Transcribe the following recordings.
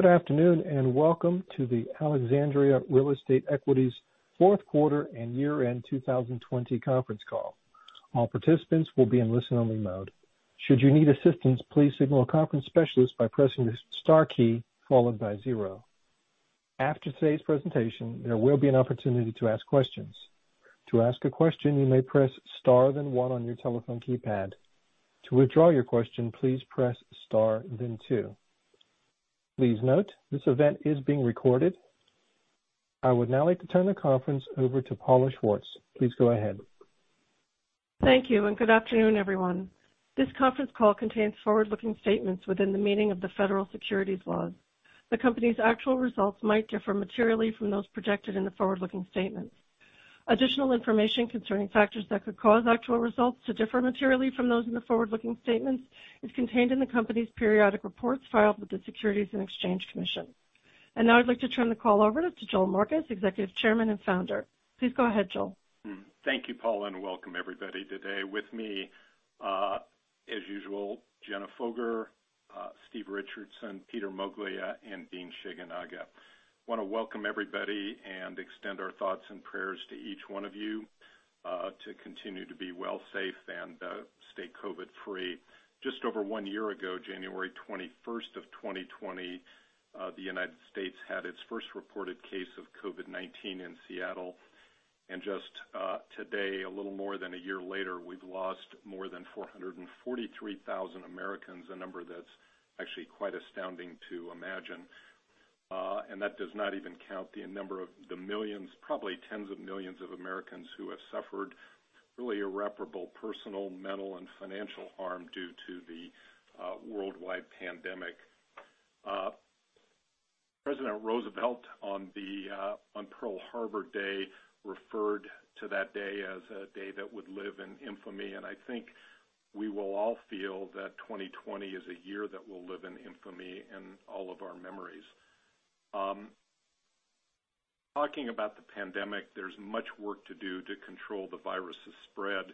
Good afternoon, and welcome to the Alexandria Real Estate Equities Fourth Quarter and Year-end 2020 Conference Call. All participants will be in listen-only mode. Should you need assistance, please signal a conference specialist by pressing the star key followed by zero. After today's presentation, there will be an opportunity to ask questions. To ask a question, you may press star then one on your telephone keypad. To withdraw your question, please press star then two. Please note, this event is being recorded. I would now like to turn the conference over to Paula Schwartz. Please go ahead. Thank you, and good afternoon, everyone. This conference call contains forward-looking statements within the meaning of the federal securities laws. The company's actual results might differ materially from those projected in the forward-looking statements. Additional information concerning factors that could cause actual results to differ materially from those in the forward-looking statements is contained in the company's periodic reports filed with the Securities and Exchange Commission. Now I'd like to turn the call over to Joel Marcus, Executive Chairman and Founder. Please go ahead, Joel. Thank you, Paula, welcome everybody today. With me, as usual, Jenna Foger, Steve Richardson, Peter Moglia, and Dean Shigenaga. Want to welcome everybody and extend our thoughts and prayers to each one of you, to continue to be well, safe, and stay COVID free. Just over one year ago, January 21st of 2020, the U.S. had its first reported case of COVID-19 in Seattle. Just today, a little more than a year later, we've lost more than 443,000 Americans, a number that's actually quite astounding to imagine. That does not even count the number of the millions, probably 10s of millions of Americans who have suffered really irreparable personal, mental, and financial harm due to the worldwide pandemic. President Roosevelt, on Pearl Harbor Day, referred to that day as a day that would live in infamy. I think we will all feel that 2020 is a year that will live in infamy in all of our memories. Talking about the pandemic, there's much work to do to control the virus's spread.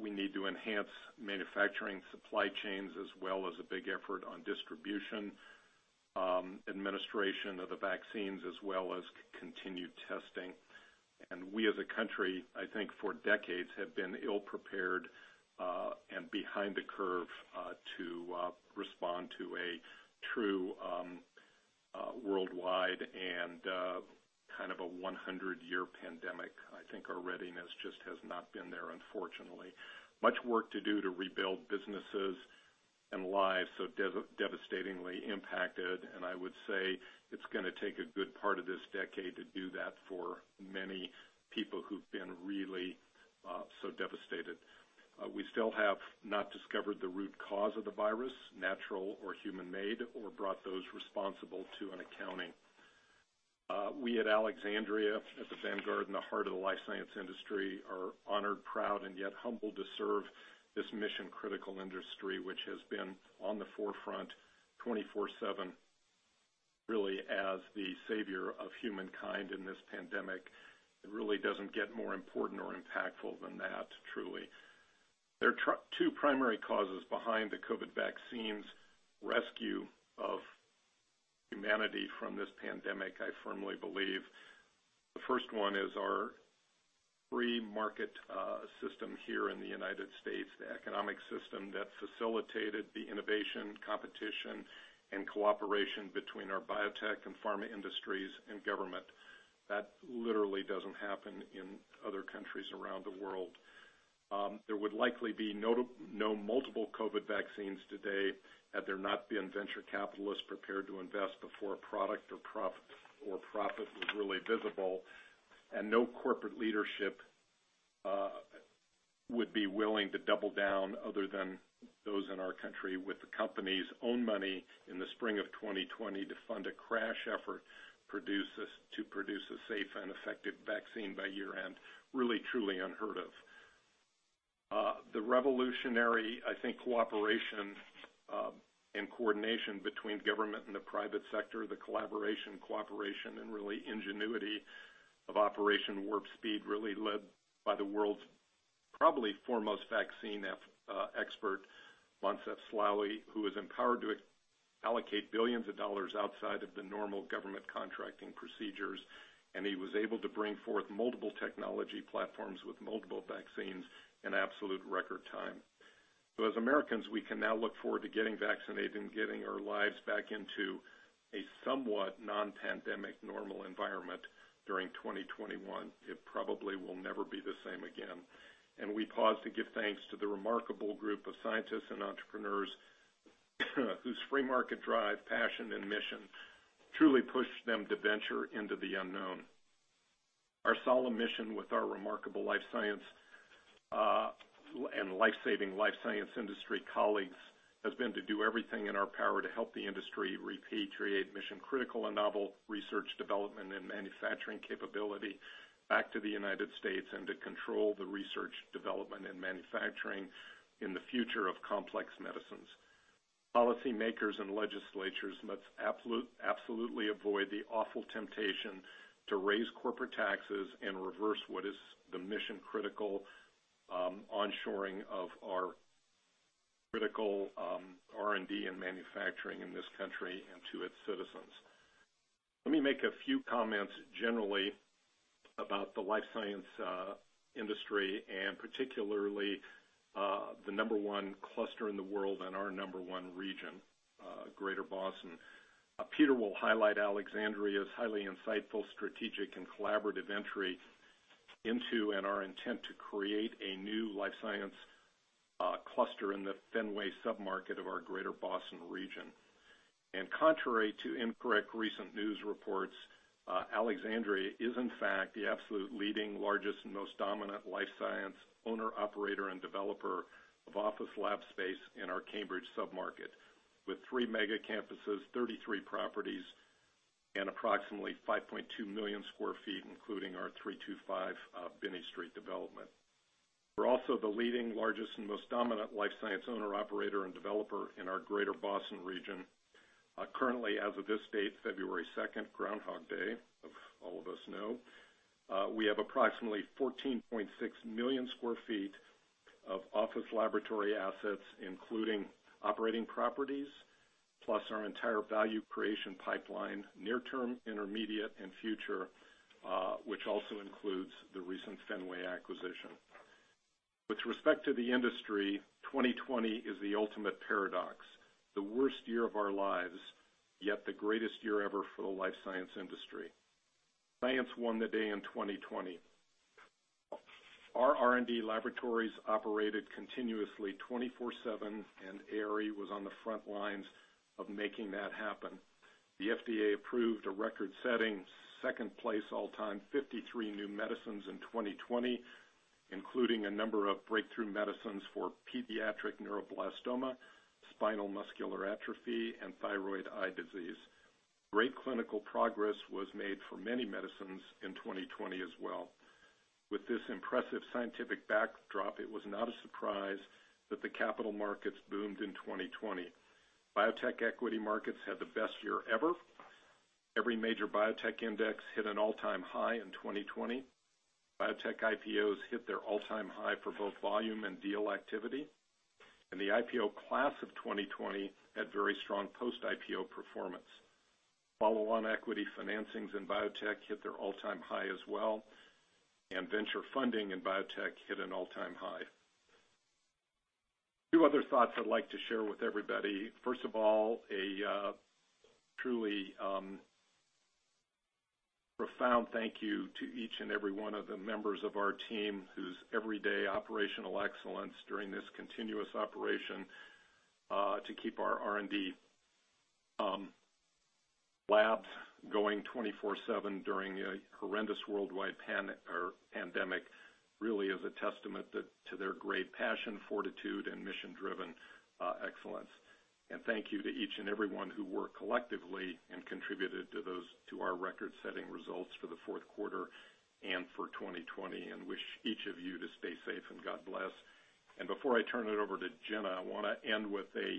We need to enhance manufacturing supply chains as well as a big effort on distribution, administration of the vaccines, as well as continued testing. We as a country, I think for decades, have been ill-prepared, and behind the curve to respond to a true worldwide and kind of a 100-year pandemic. I think our readiness just has not been there, unfortunately. Much work to do to rebuild businesses and lives so devastatingly impacted. I would say it's going to take a good part of this decade to do that for many people who've been really so devastated. We still have not discovered the root cause of the virus, natural or human-made, or brought those responsible to an accounting. We at Alexandria, at the vanguard and the heart of the life science industry, are honored, proud, and yet humbled to serve this mission-critical industry, which has been on the forefront 24/7, really as the savior of humankind in this pandemic. It really doesn't get more important or impactful than that, truly. There are two primary causes behind the COVID vaccine's rescue of humanity from this pandemic, I firmly believe. The first one is our free market system here in the United States, the economic system that facilitated the innovation, competition, and cooperation between our biotech and pharma industries and government. That literally doesn't happen in other countries around the world. There would likely be no multiple COVID-19 vaccines today had there not been venture capitalists prepared to invest before a product or profit was really visible. No corporate leadership would be willing to double down other than those in our country with the company's own money in the spring of 2020 to fund a crash effort to produce a safe and effective vaccine by year-end. Really, truly unheard of. The revolutionary, I think cooperation and coordination between government and the private sector, the collaboration, cooperation, and really ingenuity of Operation Warp Speed really led by the world's probably foremost vaccine expert, Moncef Slaoui, who was empowered to allocate billions of dollars outside of the normal government contracting procedures. He was able to bring forth multiple technology platforms with multiple vaccines in absolute record time. As Americans, we can now look forward to getting vaccinated and getting our lives back into a somewhat non-pandemic normal environment during 2021. It probably will never be the same again. We pause to give thanks to the remarkable group of scientists and entrepreneurs whose free market drive, passion, and mission truly pushed them to venture into the unknown. Our solemn mission with our remarkable life science and life-saving life science industry colleagues has been to do everything in our power to help the industry repatriate mission-critical and novel research development and manufacturing capability back to the United States and to control the research development and manufacturing in the future of complex medicines. Policy makers and legislatures must absolutely avoid the awful temptation to raise corporate taxes and reverse what is the mission-critical onshoring of our critical R&D and manufacturing in this country and to its citizens. Let me make a few comments generally about the life science industry, and particularly the number one cluster in the world and our number one region, Greater Boston. Peter will highlight Alexandria's highly insightful, strategic, and collaborative entry into, and our intent to create a new life science cluster in the Fenway sub-market of our Greater Boston region. Contrary to incorrect recent news reports, Alexandria is in fact the absolute leading largest and most dominant life science owner, operator, and developer of office lab space in our Cambridge sub-market, with three mega campuses, 33 properties, and approximately 5.2 million square feet, including our 325 Binney Street development. We're also the leading largest and most dominant life science owner, operator, and developer in our Greater Boston region. Currently, as of this date, February 2nd, Groundhog Day, as all of us know, we have approximately 14.6 million square feet of office laboratory assets, including operating properties, plus our entire value creation pipeline, near term, intermediate, and future, which also includes the recent Fenway acquisition. With respect to the industry, 2020 is the ultimate paradox, the worst year of our lives, yet the greatest year ever for the life science industry. Science won the day in 2020. Our R&D laboratories operated continuously 24/7, and ARE was on the front lines of making that happen. The FDA approved a record-setting, second place all-time 53 new medicines in 2020, including a number of breakthrough medicines for pediatric neuroblastoma, spinal muscular atrophy, and thyroid eye disease. Great clinical progress was made for many medicines in 2020 as well. With this impressive scientific backdrop, it was not a surprise that the capital markets boomed in 2020. Biotech equity markets had the best year ever. Every major biotech index hit an all-time high in 2020. Biotech IPOs hit their all-time high for both volume and deal activity, and the IPO class of 2020 had very strong post-IPO performance. Follow-on equity financings in biotech hit their all-time high as well, and venture funding in biotech hit an all-time high. Two other thoughts I'd like to share with everybody. First of all, a truly profound thank you to each and every one of the members of our team, whose everyday operational excellence during this continuous operation, to keep our R&D labs going 24/7 during a horrendous worldwide pandemic, really is a testament to their great passion, fortitude, and mission-driven excellence. Thank you to each and everyone who worked collectively and contributed to our record-setting results for the fourth quarter and for 2020, and wish each of you to stay safe, and God bless. Before I turn it over to Jenna, I want to end with a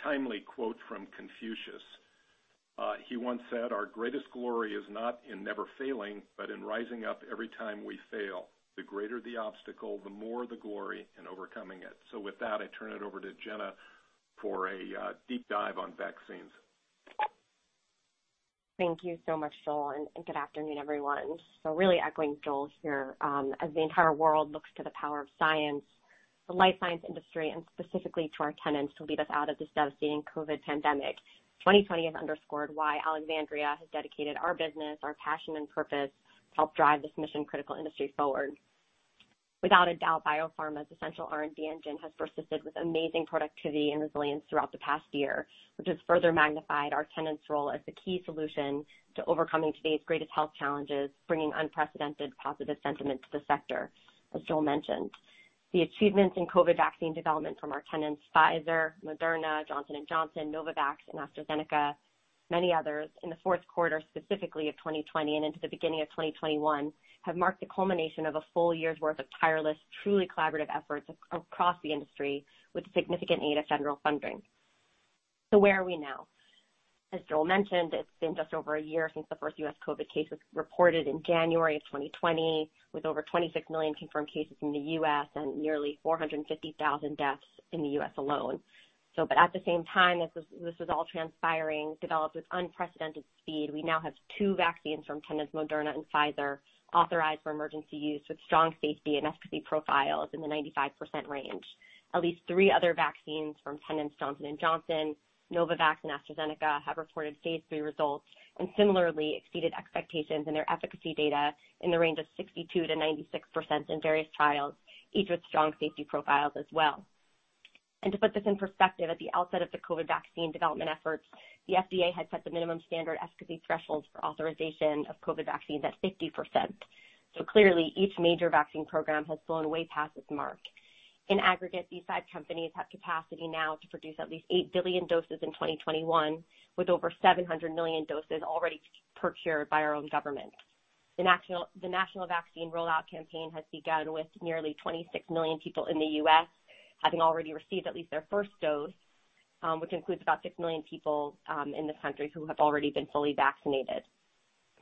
timely quote from Confucius. He once said, "Our greatest glory is not in never failing, but in rising up every time we fail. The greater the obstacle, the more the glory in overcoming it." With that, I turn it over to Jenna for a deep dive on vaccines. Thank you so much, Joel, and good afternoon, everyone. Really echoing Joel here, as the entire world looks to the power of science, the life science industry, and specifically to our tenants to lead us out of this devastating COVID-19 pandemic. 2020 has underscored why Alexandria has dedicated our business, our passion, and purpose to help drive this mission-critical industry forward. Without a doubt, biopharma's essential R&D engine has persisted with amazing productivity and resilience throughout the past year, which has further magnified our tenants' role as the key solution to overcoming today's greatest health challenges, bringing unprecedented positive sentiment to the sector, as Joel mentioned. The achievements in COVID vaccine development from our tenants, Pfizer, Moderna, Johnson & Johnson, Novavax, and AstraZeneca, many others, in the fourth quarter specifically of 2020 and into the beginning of 2021, have marked the culmination of a full year's worth of tireless, truly collaborative efforts across the industry with significant aid of federal funding. Where are we now? As Joel mentioned, it's been just over one year since the first U.S. COVID case was reported in January of 2020, with over 26 million confirmed cases in the U.S. and nearly 450,000 deaths in the U.S. alone. At the same time as this was all transpiring, developed with unprecedented speed, we now have two vaccines from tenants, Moderna and Pfizer, authorized for emergency use with strong safety and efficacy profiles in the 95% range. At least three other vaccines from tenants, Johnson & Johnson, Novavax, and AstraZeneca, have reported phase III results and similarly exceeded expectations in their efficacy data in the range of 62%-96% in various trials, each with strong safety profiles as well. To put this in perspective, at the outset of the COVID vaccine development efforts, the FDA had set the minimum standard efficacy thresholds for authorization of COVID vaccines at 50%. Clearly, each major vaccine program has flown way past this mark. In aggregate, these five companies have capacity now to produce at least 8 billion doses in 2021, with over 700 million doses already procured by our own government. The national vaccine rollout campaign has begun with nearly 26 million people in the U.S. having already received at least their first dose, which includes about six million people in this country who have already been fully vaccinated.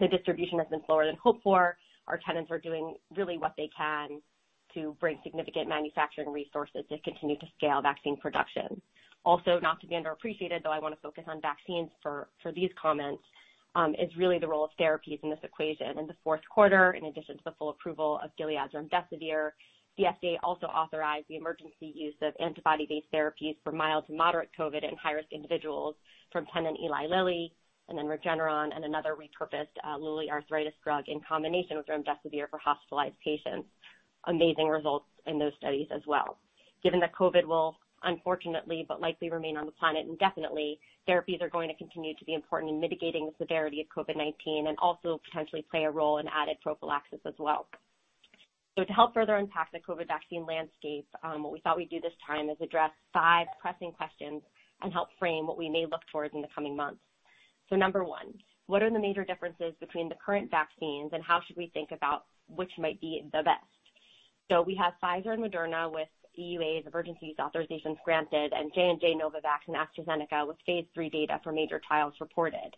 The distribution has been slower than hoped for. Our tenants are doing really what they can to bring significant manufacturing resources to continue to scale vaccine production. Also, not to be underappreciated, though I want to focus on vaccines for these comments, is really the role of therapies in this equation. In the fourth quarter, in addition to the full approval of Gilead's remdesivir, the FDA also authorized the emergency use of antibody-based therapies for mild to moderate COVID in high-risk individuals from tenant Eli Lilly, and then Regeneron and another repurposed Lilly arthritis drug in combination with remdesivir for hospitalized patients. Amazing results in those studies as well. Given that COVID will unfortunately but likely remain on the planet indefinitely, therapies are going to continue to be important in mitigating the severity of COVID-19 and also potentially play a role in added prophylaxis as well. To help further unpack the COVID vaccine landscape, what we thought we'd do this time is address five pressing questions and help frame what we may look towards in the coming months. Number one, what are the major differences between the current vaccines, and how should we think about which might be the best? We have Pfizer and Moderna with EUAs, Emergency Use Authorizations granted, J&J, Novavax, and AstraZeneca with phase III data for major trials reported.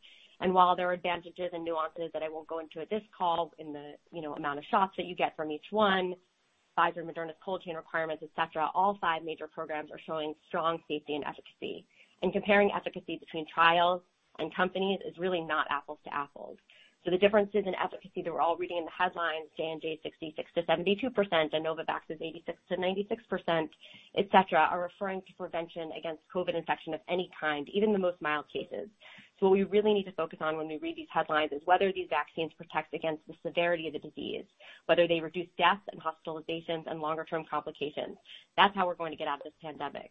While there are advantages and nuances that I won't go into at this call in the amount of shots that you get from each one, Pfizer and Moderna's cold chain requirements, et cetera, all five major programs are showing strong safety and efficacy. Comparing efficacy between trials and companies is really not apples to apples. The differences in efficacy that we're all reading in the headlines, J&J 66%-72%, and Novavax is 86%-96%, et cetera, are referring to prevention against COVID-19 infection of any kind, even the most mild cases. What we really need to focus on when we read these headlines is whether these vaccines protect against the severity of the disease, whether they reduce deaths and hospitalizations and longer-term complications. That's how we're going to get out of this pandemic.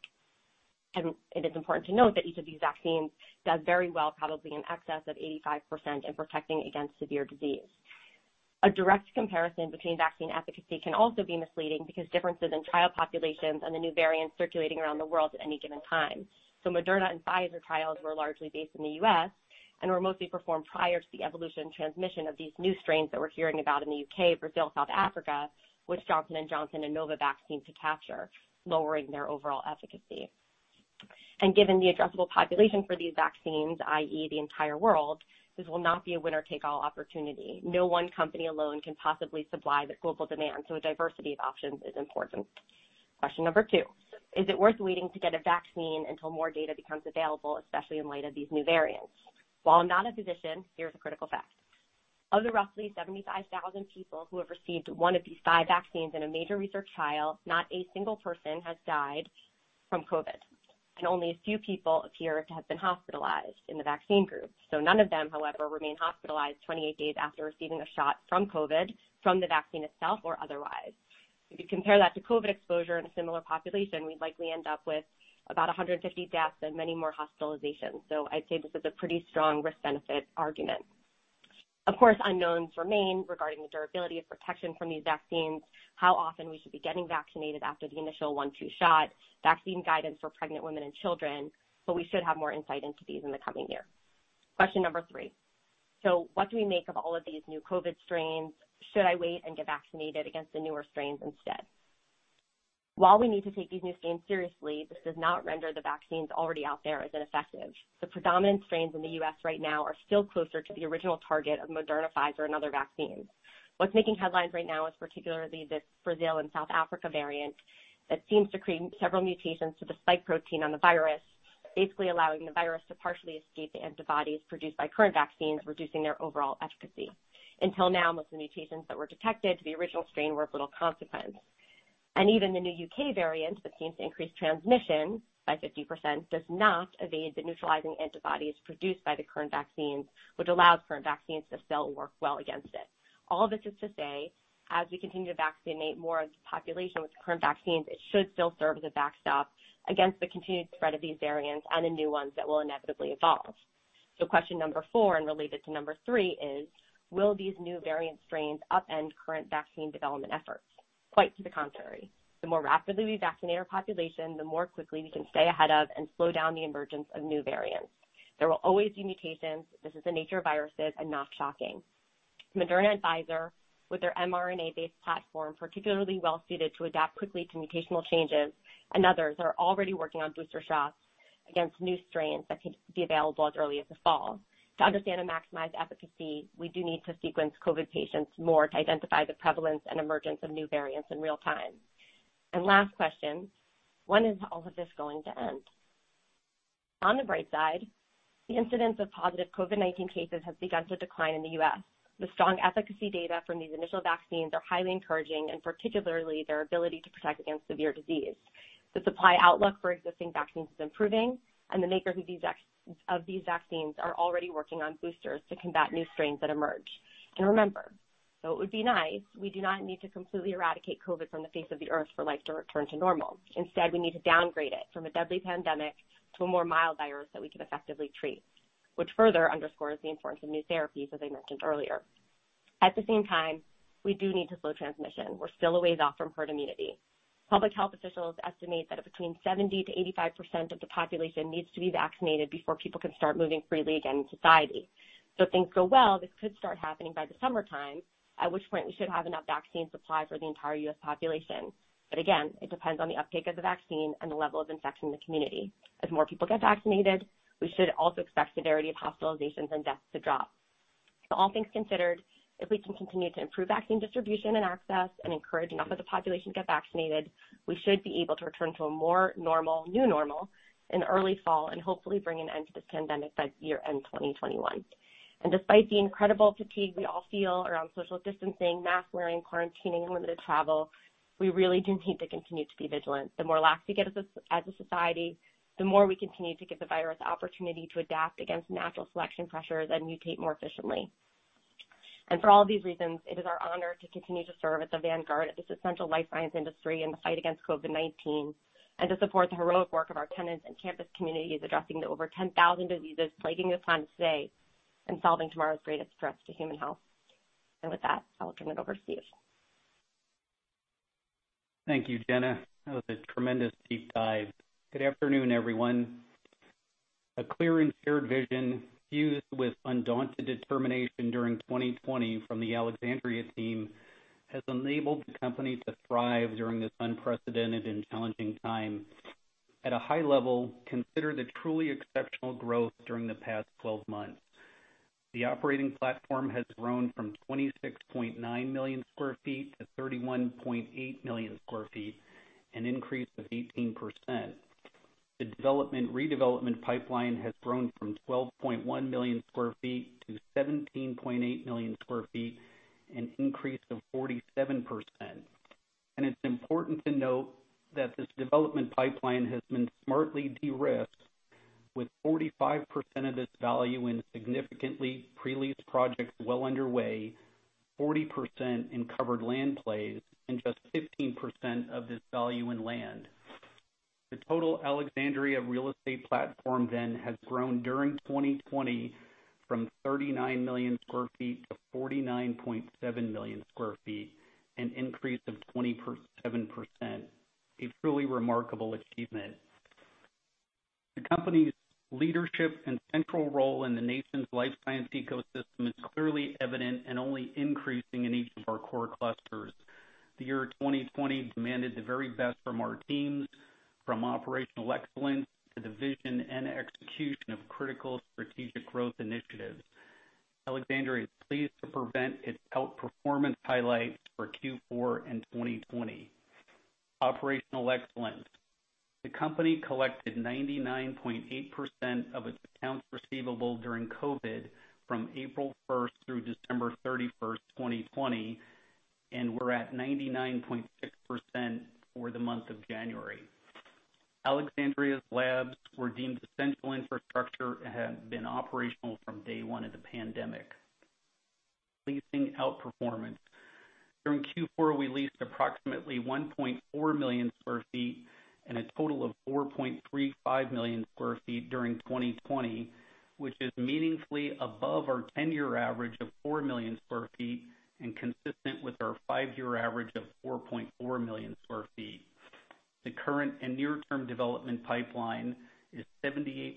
It is important to note that each of these vaccines does very well, probably in excess of 85%, in protecting against severe disease. A direct comparison between vaccine efficacy can also be misleading because differences in trial populations and the new variants circulating around the world at any given time. Moderna and Pfizer trials were largely based in the U.S. and were mostly performed prior to the evolution transmission of these new strains that we're hearing about in the U.K., Brazil, South Africa, which Johnson & Johnson and Novavax seem to capture, lowering their overall efficacy. Given the addressable population for these vaccines, i.e., the entire world, this will not be a winner-take-all opportunity. No one company alone can possibly supply the global demand, so a diversity of options is important. Question number two, is it worth waiting to get a vaccine until more data becomes available, especially in light of these new variants? While I'm not a physician, here's a critical fact. Of the roughly 75,000 people who have received one of these five vaccines in a major research trial, not a single person has died from COVID, and only a few people appear to have been hospitalized in the vaccine group. None of them, however, remain hospitalized 28 days after receiving a shot from COVID, from the vaccine itself, or otherwise. If you compare that to COVID exposure in a similar population, we'd likely end up with about 150 deaths and many more hospitalizations. I'd say this is a pretty strong risk-benefit argument. Of course, unknowns remain regarding the durability of protection from these vaccines, how often we should be getting vaccinated after the initial one, two shot, vaccine guidance for pregnant women and children, we should have more insight into these in the coming year. Question number three, what do we make of all of these new COVID strains? Should I wait and get vaccinated against the newer strains instead? While we need to take these new strains seriously, this does not render the vaccines already out there as ineffective. The predominant strains in the U.S. right now are still closer to the original target of Moderna, Pfizer, and other vaccines. What's making headlines right now is particularly the Brazil and South Africa variant that seems to create several mutations to the spike protein on the virus, basically allowing the virus to partially escape the antibodies produced by current vaccines, reducing their overall efficacy. Until now, most of the mutations that were detected to the original strain were of little consequence. Even the new U.K. variant that seems to increase transmission by 50% does not evade the neutralizing antibodies produced by the current vaccines, which allows current vaccines to still work well against it. All this is to say, as we continue to vaccinate more of the population with the current vaccines, it should still serve as a backstop against the continued spread of these variants and the new ones that will inevitably evolve. Question number four, and related to number three is, will these new variant strains upend current vaccine development efforts? Quite to the contrary. The more rapidly we vaccinate our population, the more quickly we can stay ahead of and slow down the emergence of new variants. There will always be mutations. This is the nature of viruses and not shocking. Moderna and Pfizer, with their mRNA-based platform, particularly well-suited to adapt quickly to mutational changes, and others are already working on booster shots against new strains that could be available as early as the fall. To understand and maximize efficacy, we do need to sequence COVID patients more to identify the prevalence and emergence of new variants in real time. Last question, when is all of this going to end? On the bright side, the incidence of positive COVID-19 cases has begun to decline in the U.S. The strong efficacy data from these initial vaccines are highly encouraging, and particularly their ability to protect against severe disease. The supply outlook for existing vaccines is improving, the makers of these vaccines are already working on boosters to combat new strains that emerge. Remember, though it would be nice, we do not need to completely eradicate COVID-19 from the face of the earth for life to return to normal. Instead, we need to downgrade it from a deadly pandemic to a more mild virus that we can effectively treat, which further underscores the importance of new therapies, as I mentioned earlier. At the same time, we do need to slow transmission. We're still a ways off from herd immunity. Public health officials estimate that between 70%-85% of the population needs to be vaccinated before people can start moving freely again in society. If things go well, this could start happening by the summertime, at which point we should have enough vaccine supply for the entire U.S. population. Again, it depends on the uptake of the vaccine and the level of infection in the community. As more people get vaccinated, we should also expect severity of hospitalizations and deaths to drop. All things considered, if we can continue to improve vaccine distribution and access and encourage enough of the population to get vaccinated, we should be able to return to a more normal new normal in early fall and hopefully bring an end to this pandemic by year-end 2021. Despite the incredible fatigue we all feel around social distancing, mask wearing, quarantining, and limited travel, we really do need to continue to be vigilant. The more lax we get as a society, the more we continue to give the virus the opportunity to adapt against natural selection pressures and mutate more efficiently. For all these reasons, it is our honor to continue to serve as a vanguard of this essential life science industry in the fight against COVID-19, and to support the heroic work of our tenants and campus communities addressing the over 10,000 diseases plaguing this planet today, and solving tomorrow's greatest threats to human health. With that, I will turn it over to Steve. Thank you, Jenna. That was a tremendous deep dive. Good afternoon, everyone. A clear and shared vision fused with undaunted determination during 2020 from the Alexandria team has enabled the company to thrive during this unprecedented and challenging time. At a high level, consider the truly exceptional growth during the past 12 months. The operating platform has grown from 26.9 million square feet to 31.8 million square feet, an increase of 18%. The development/redevelopment pipeline has grown from 12.1 million square feet to 17.8 million square feet, an increase of 47%. It's important to note that this development pipeline has been smartly de-risked with 45% of this value in significantly pre-leased projects well underway, 40% in covered land plays, and just 15% of this value in land. The total Alexandria Real Estate platform has grown during 2020 from 39 million square feet to 49.7 million square feet, an increase of 27%, a truly remarkable achievement. The company's leadership and central role in the nation's life science ecosystem is clearly evident and only increasing in each of our core clusters. The year 2020 demanded the very best from our teams, from operational excellence to the vision and execution of critical strategic growth initiatives. Alexandria is pleased to present its outperformance highlights for Q4 in 2020. Operational excellence. The company collected 99.8% of its accounts receivable during COVID from April 1st through December 31st, 2020, and we're at 99.6% for the month of January. Alexandria's labs were deemed essential infrastructure and have been operational from day one of the pandemic. Leasing outperformance. During Q4, we leased approximately 1.4 million square feet and a total of 4.35 million square feet during 2020, which is meaningfully above our 10-year average of 4 million square feet and consistent with our five-year average of 4.4 million square feet. The current and near-term development pipeline is 78%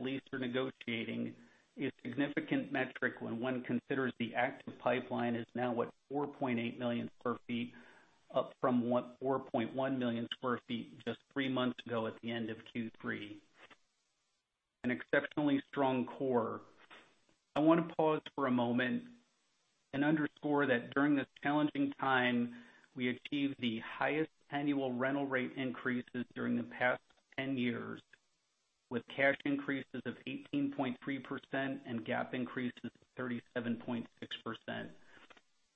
leased or negotiating, a significant metric when one considers the active pipeline is now what, 4.8 million square feet up from 4.1 million square feet just three months ago at the end of Q3. An exceptionally strong core. I want to pause for a moment and underscore that during this challenging time, we achieved the highest annual rental rate increases during the past 10 years with cash increases of 18.3% and GAAP increases of 37.6%.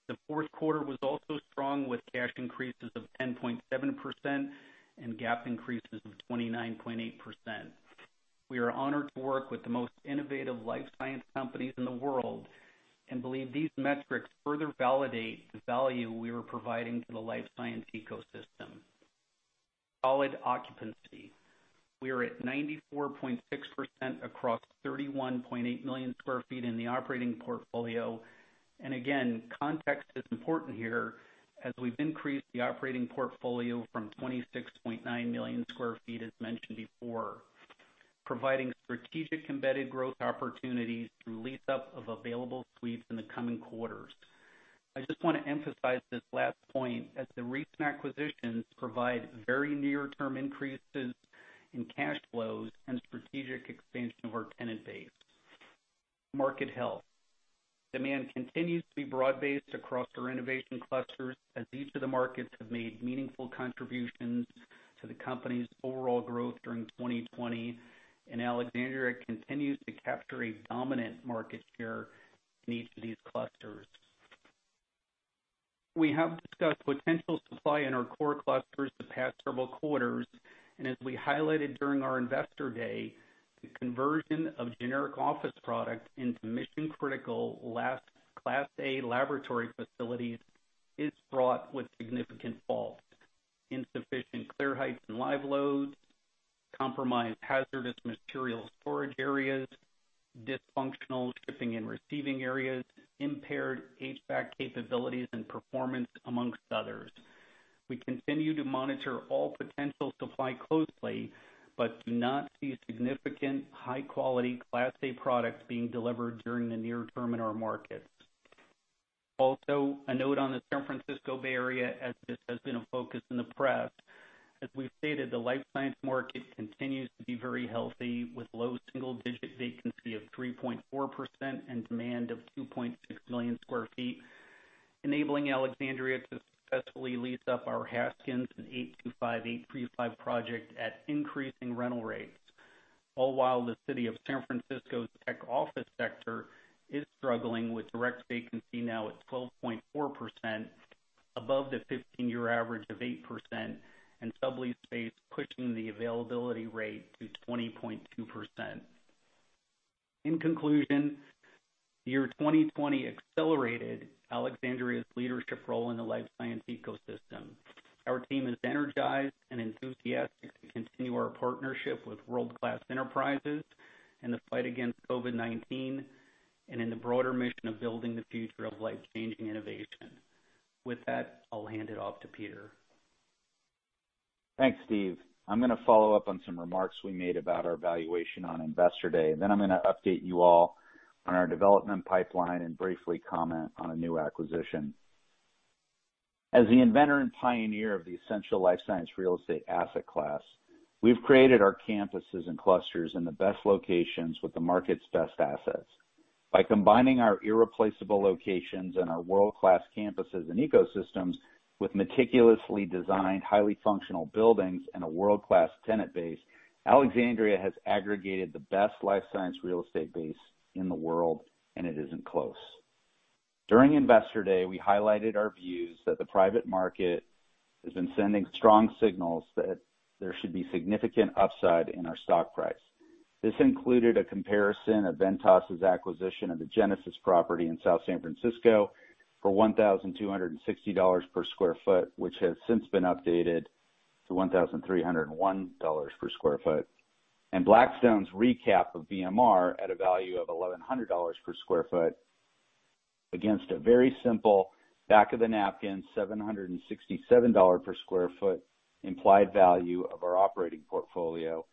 The fourth quarter was also strong with cash increases of 10.7% and GAAP increases of 29.8%. We are honored to work with the most innovative life science companies in the world and believe these metrics further validate the value we are providing to the life science ecosystem. Solid occupancy. We are at 94.6% across 31.8 million square feet in the operating portfolio. Again, context is important here as we've increased the operating portfolio from 26.9 million square feet, as mentioned before, providing strategic embedded growth opportunities through lease up of available suites in the coming quarters. I just want to emphasize this last point as the recent acquisitions provide very near-term increases in cash flows and strategic expansion of our tenant base. Market health. Demand continues to be broad-based across our innovation clusters as each of the markets have made meaningful contributions to the company's overall growth during 2020. Alexandria continues to capture a dominant market share in each of these clusters. We have discussed potential supply in our core clusters the past several quarters, and as we highlighted during our investor day, the conversion of generic office product into mission-critical Class A laboratory facilities is fraught with significant faults, insufficient clear heights and live loads, compromised hazardous material storage areas, dysfunctional shipping and receiving areas, impaired HVAC capabilities and performance, amongst others. We continue to monitor all potential supply closely, but do not see significant high-quality Class A products being delivered during the near term in our markets. A note on the San Francisco Bay Area, as this has been a focus in the press. As we've stated, the life science market continues to be very healthy, with low single digit vacancy of 3.4% and demand of 2.6 million square feet, enabling Alexandria to successfully lease up our Haskins and 825/835 project at increasing rental rates. All while the city of San Francisco's tech office sector is struggling with direct vacancy now at 12.4%, above the 15-year average of 8%, and sublease space pushing the availability rate to 20.2%. In conclusion, the year 2020 accelerated Alexandria's leadership role in the life science ecosystem. Our team is energized and enthusiastic to continue our partnership with world-class enterprises in the fight against COVID-19, and in the broader mission of building the future of life-changing innovation. With that, I'll hand it off to Peter. Thanks, Steve. I'm going to follow up on some remarks we made about our valuation on Investor Day, and then I'm going to update you all on our development pipeline and briefly comment on a new acquisition. As the inventor and pioneer of the essential life science real estate asset class, we've created our campuses and clusters in the best locations with the market's best assets. By combining our irreplaceable locations and our world-class campuses and ecosystems with meticulously designed, highly functional buildings and a world-class tenant base, Alexandria has aggregated the best life science real estate base in the world, and it isn't close. During Investor Day, we highlighted our views that the private market has been sending strong signals that there should be significant upside in our stock price. This included a comparison of Ventas' acquisition of the Genesis property in South San Francisco for $1,260 per square foot, which has since been updated to $1,301 per square foot. Blackstone's recap of BMR at a value of $1,100 per square foot against a very simple back of the napkin, $767 per square foot implied value of our operating portfolio,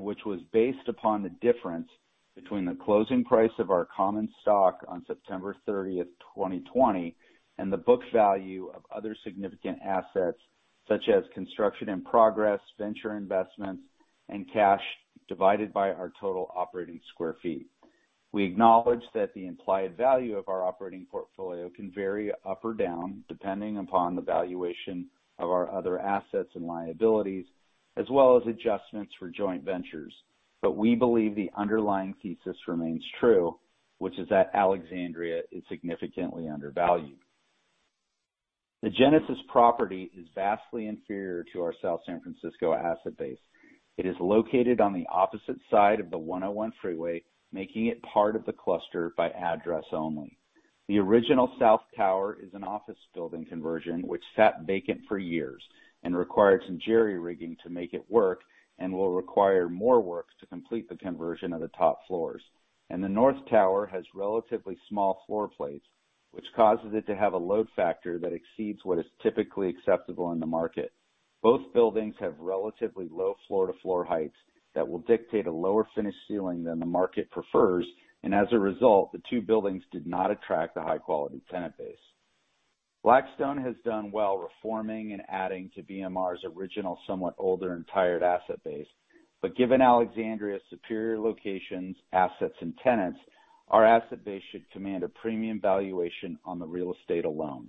which was based upon the difference between the closing price of our common stock on September 30th, 2020, and the book value of other significant assets such as construction in progress, venture investments, and cash divided by our total operating square feet. We acknowledge that the implied value of our operating portfolio can vary up or down depending upon the valuation of our other assets and liabilities, as well as adjustments for joint ventures. We believe the underlying thesis remains true, which is that Alexandria is significantly undervalued. The Genesis property is vastly inferior to our South San Francisco asset base. It is located on the opposite side of the 101 freeway, making it part of the cluster by address only. The original south tower is an office building conversion which sat vacant for years and required some jerry-rigging to make it work, and will require more work to complete the conversion of the top floors. The north tower has relatively small floor plates, which causes it to have a load factor that exceeds what is typically acceptable in the market. Both buildings have relatively low floor to floor heights that will dictate a lower finished ceiling than the market prefers, and as a result, the two buildings did not attract a high quality tenant base. Blackstone has done well reforming and adding to BMR's original somewhat older and tired asset base, given Alexandria's superior locations, assets, and tenants, our asset base should command a premium valuation on the real estate alone.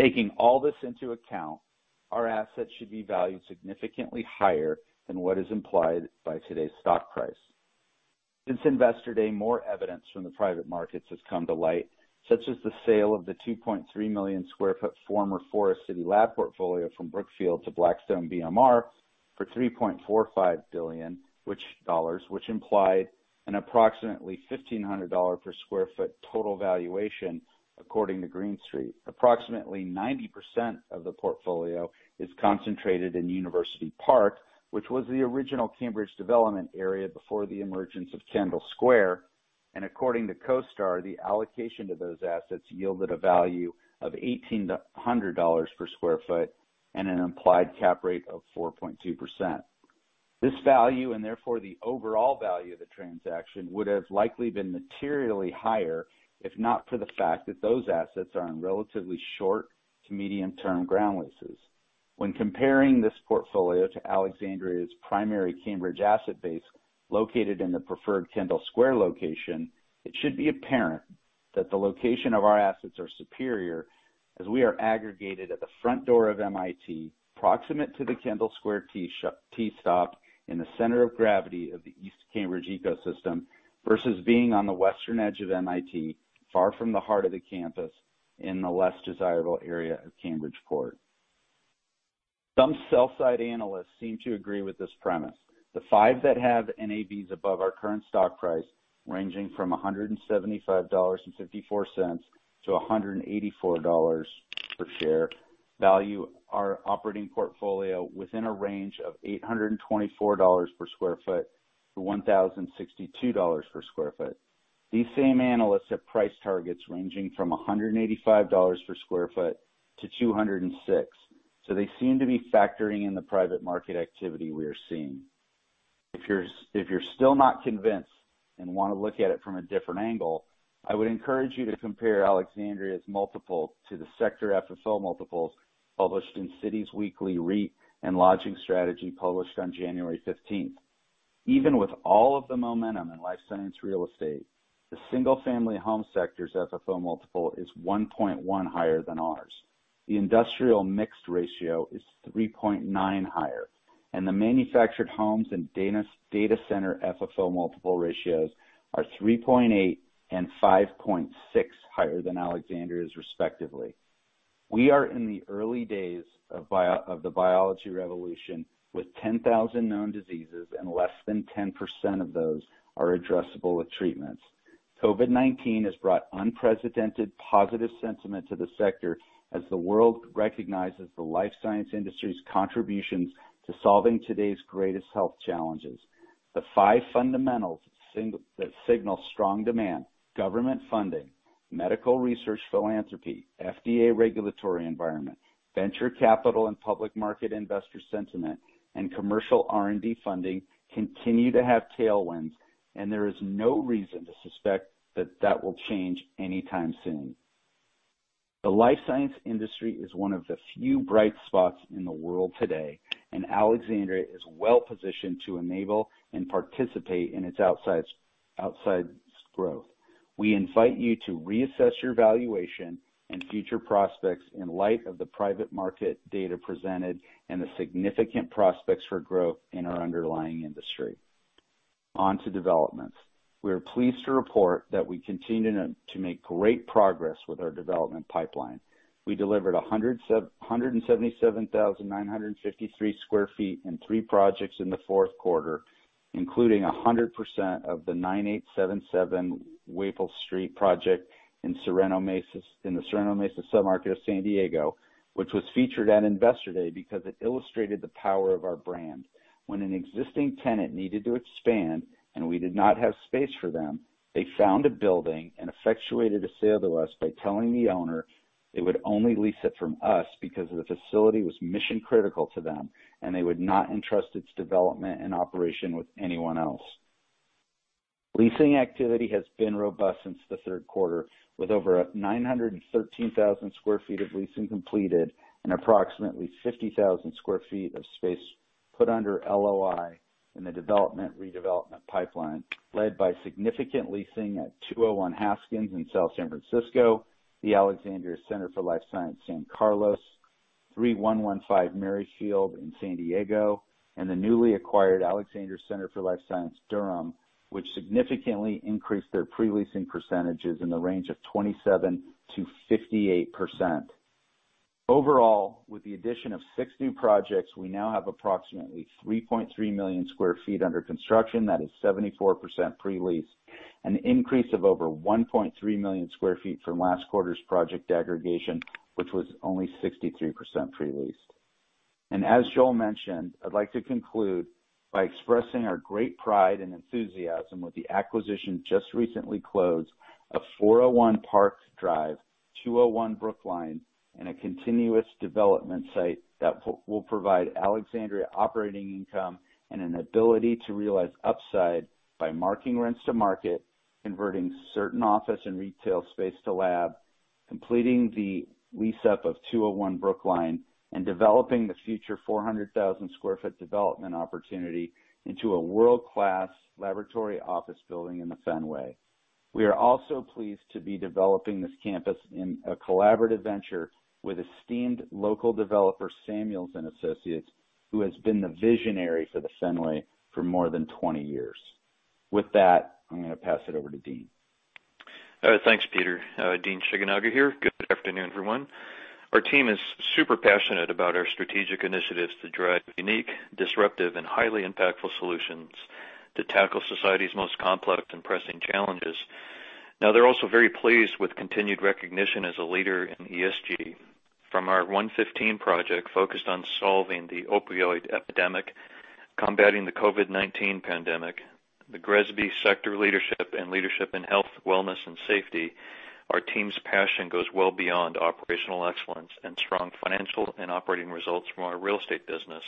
Taking all this into account, our assets should be valued significantly higher than what is implied by today's stock price. Since Investor Day, more evidence from the private markets has come to light, such as the sale of the 2.3 million square foot former Forest City Lab portfolio from Brookfield to Blackstone BMR for $3.45 billion, which implied an approximately $1,500 per square foot total valuation according to Green Street. Approximately 90% of the portfolio is concentrated in University Park, which was the original Cambridge development area before the emergence of Kendall Square. According to CoStar, the allocation to those assets yielded a value of $1,800 per square foot and an implied cap rate of 4.2%. This value, and therefore the overall value of the transaction, would have likely been materially higher if not for the fact that those assets are on relatively short to medium term ground leases. When comparing this portfolio to Alexandria's primary Cambridge asset base located in the preferred Kendall Square location, it should be apparent that the location of our assets are superior, as we are aggregated at the front door of MIT, proximate to the Kendall Square T stop in the center of gravity of the East Cambridge ecosystem, versus being on the western edge of MIT, far from the heart of the campus in the less desirable area of Cambridgeport. Some sell side analysts seem to agree with this premise. The five that have NAVs above our current stock price, ranging from $175.54-$184 per share. Value our operating portfolio within a range of $824 per square foot-$1,062 per square foot. These same analysts have price targets ranging from $185 per square foot-$206. They seem to be factoring in the private market activity we are seeing. If you're still not convinced and want to look at it from a different angle, I would encourage you to compare Alexandria's multiple to the sector FFO multiples published in Citi's Weekly REIT and Lodging Strategy published on January 15th. Even with all of the momentum in life science real estate, the single-family home sector's FFO multiple is 1.1 higher than ours. The industrial mixed ratio is 3.9 higher, and the manufactured homes and data center FFO multiple ratios are 3.8 and 5.6` higher than Alexandria's respectively. We are in the early days of the biology revolution with 10,000 known diseases and less than 10% of those are addressable with treatments. COVID-19 has brought unprecedented positive sentiment to the sector as the world recognizes the life science industry's contributions to solving today's greatest health challenges. The five fundamentals that signal strong demand, government funding, medical research philanthropy, FDA regulatory environment, venture capital and public market investor sentiment, and commercial R&D funding continue to have tailwinds, and there is no reason to suspect that that will change anytime soon. The life science industry is one of the few bright spots in the world today, and Alexandria is well positioned to enable and participate in its outside growth. We invite you to reassess your valuation and future prospects in light of the private market data presented and the significant prospects for growth in our underlying industry. On to developments. We are pleased to report that we continue to make great progress with our development pipeline. We delivered 177,953 sq ft in three projects in the fourth quarter, including 100% of the 9877 Waples Street project in the Sorrento Mesa submarket of San Diego, which was featured at Investor Day because it illustrated the power of our brand. When an existing tenant needed to expand and we did not have space for them, they found a building and effectuated a sale to us by telling the owner they would only lease it from us because the facility was mission-critical to them, and they would not entrust its development and operation with anyone else. Leasing activity has been robust since the third quarter, with over 913,000 sq ft of leasing completed and approximately 50,000 sq ft of space put under LOI in the development/redevelopment pipeline, led by significant leasing at 201 Haskins in South San Francisco, the Alexandria Center for Life Science, San Carlos, 3115 Merryfield in San Diego, and the newly acquired Alexandria Center for Life Science, Durham, which significantly increased their pre-leasing percentages in the range of 27%-58%. Overall, with the addition of six new projects, we now have approximately 3.3 million square feet under construction. That is 74% pre-lease, an increase of over 1.3 million square feet from last quarter's project aggregation, which was only 63% pre-leased. As Joel mentioned, I would like to conclude by expressing our great pride and enthusiasm with the acquisition just recently closed of 401 Park Drive, 201 Brookline, and a continuous development site that will provide Alexandria operating income and an ability to realize upside by marking rents to market, converting certain office and retail space to lab, completing the lease up of 201 Brookline, and developing the future 400,000 sq ft development opportunity into a world-class laboratory office building in the Fenway. We are also pleased to be developing this campus in a collaborative venture with esteemed local developer Samuels & Associates, who has been the visionary for the Fenway for more than 20 years. With that, I am going to pass it over to Dean. All right. Thanks, Peter. Dean Shigenaga here. Good afternoon, everyone. Our team is super passionate about our strategic initiatives to drive unique, disruptive, and highly impactful solutions to tackle society's most complex and pressing challenges. They're also very pleased with continued recognition as a leader in ESG, from our OneFifteen project focused on solving the opioid epidemic, combating the COVID-19 pandemic, the GRESB sector leadership and leadership in health, wellness, and safety. Our team's passion goes well beyond operational excellence and strong financial and operating results from our real estate business.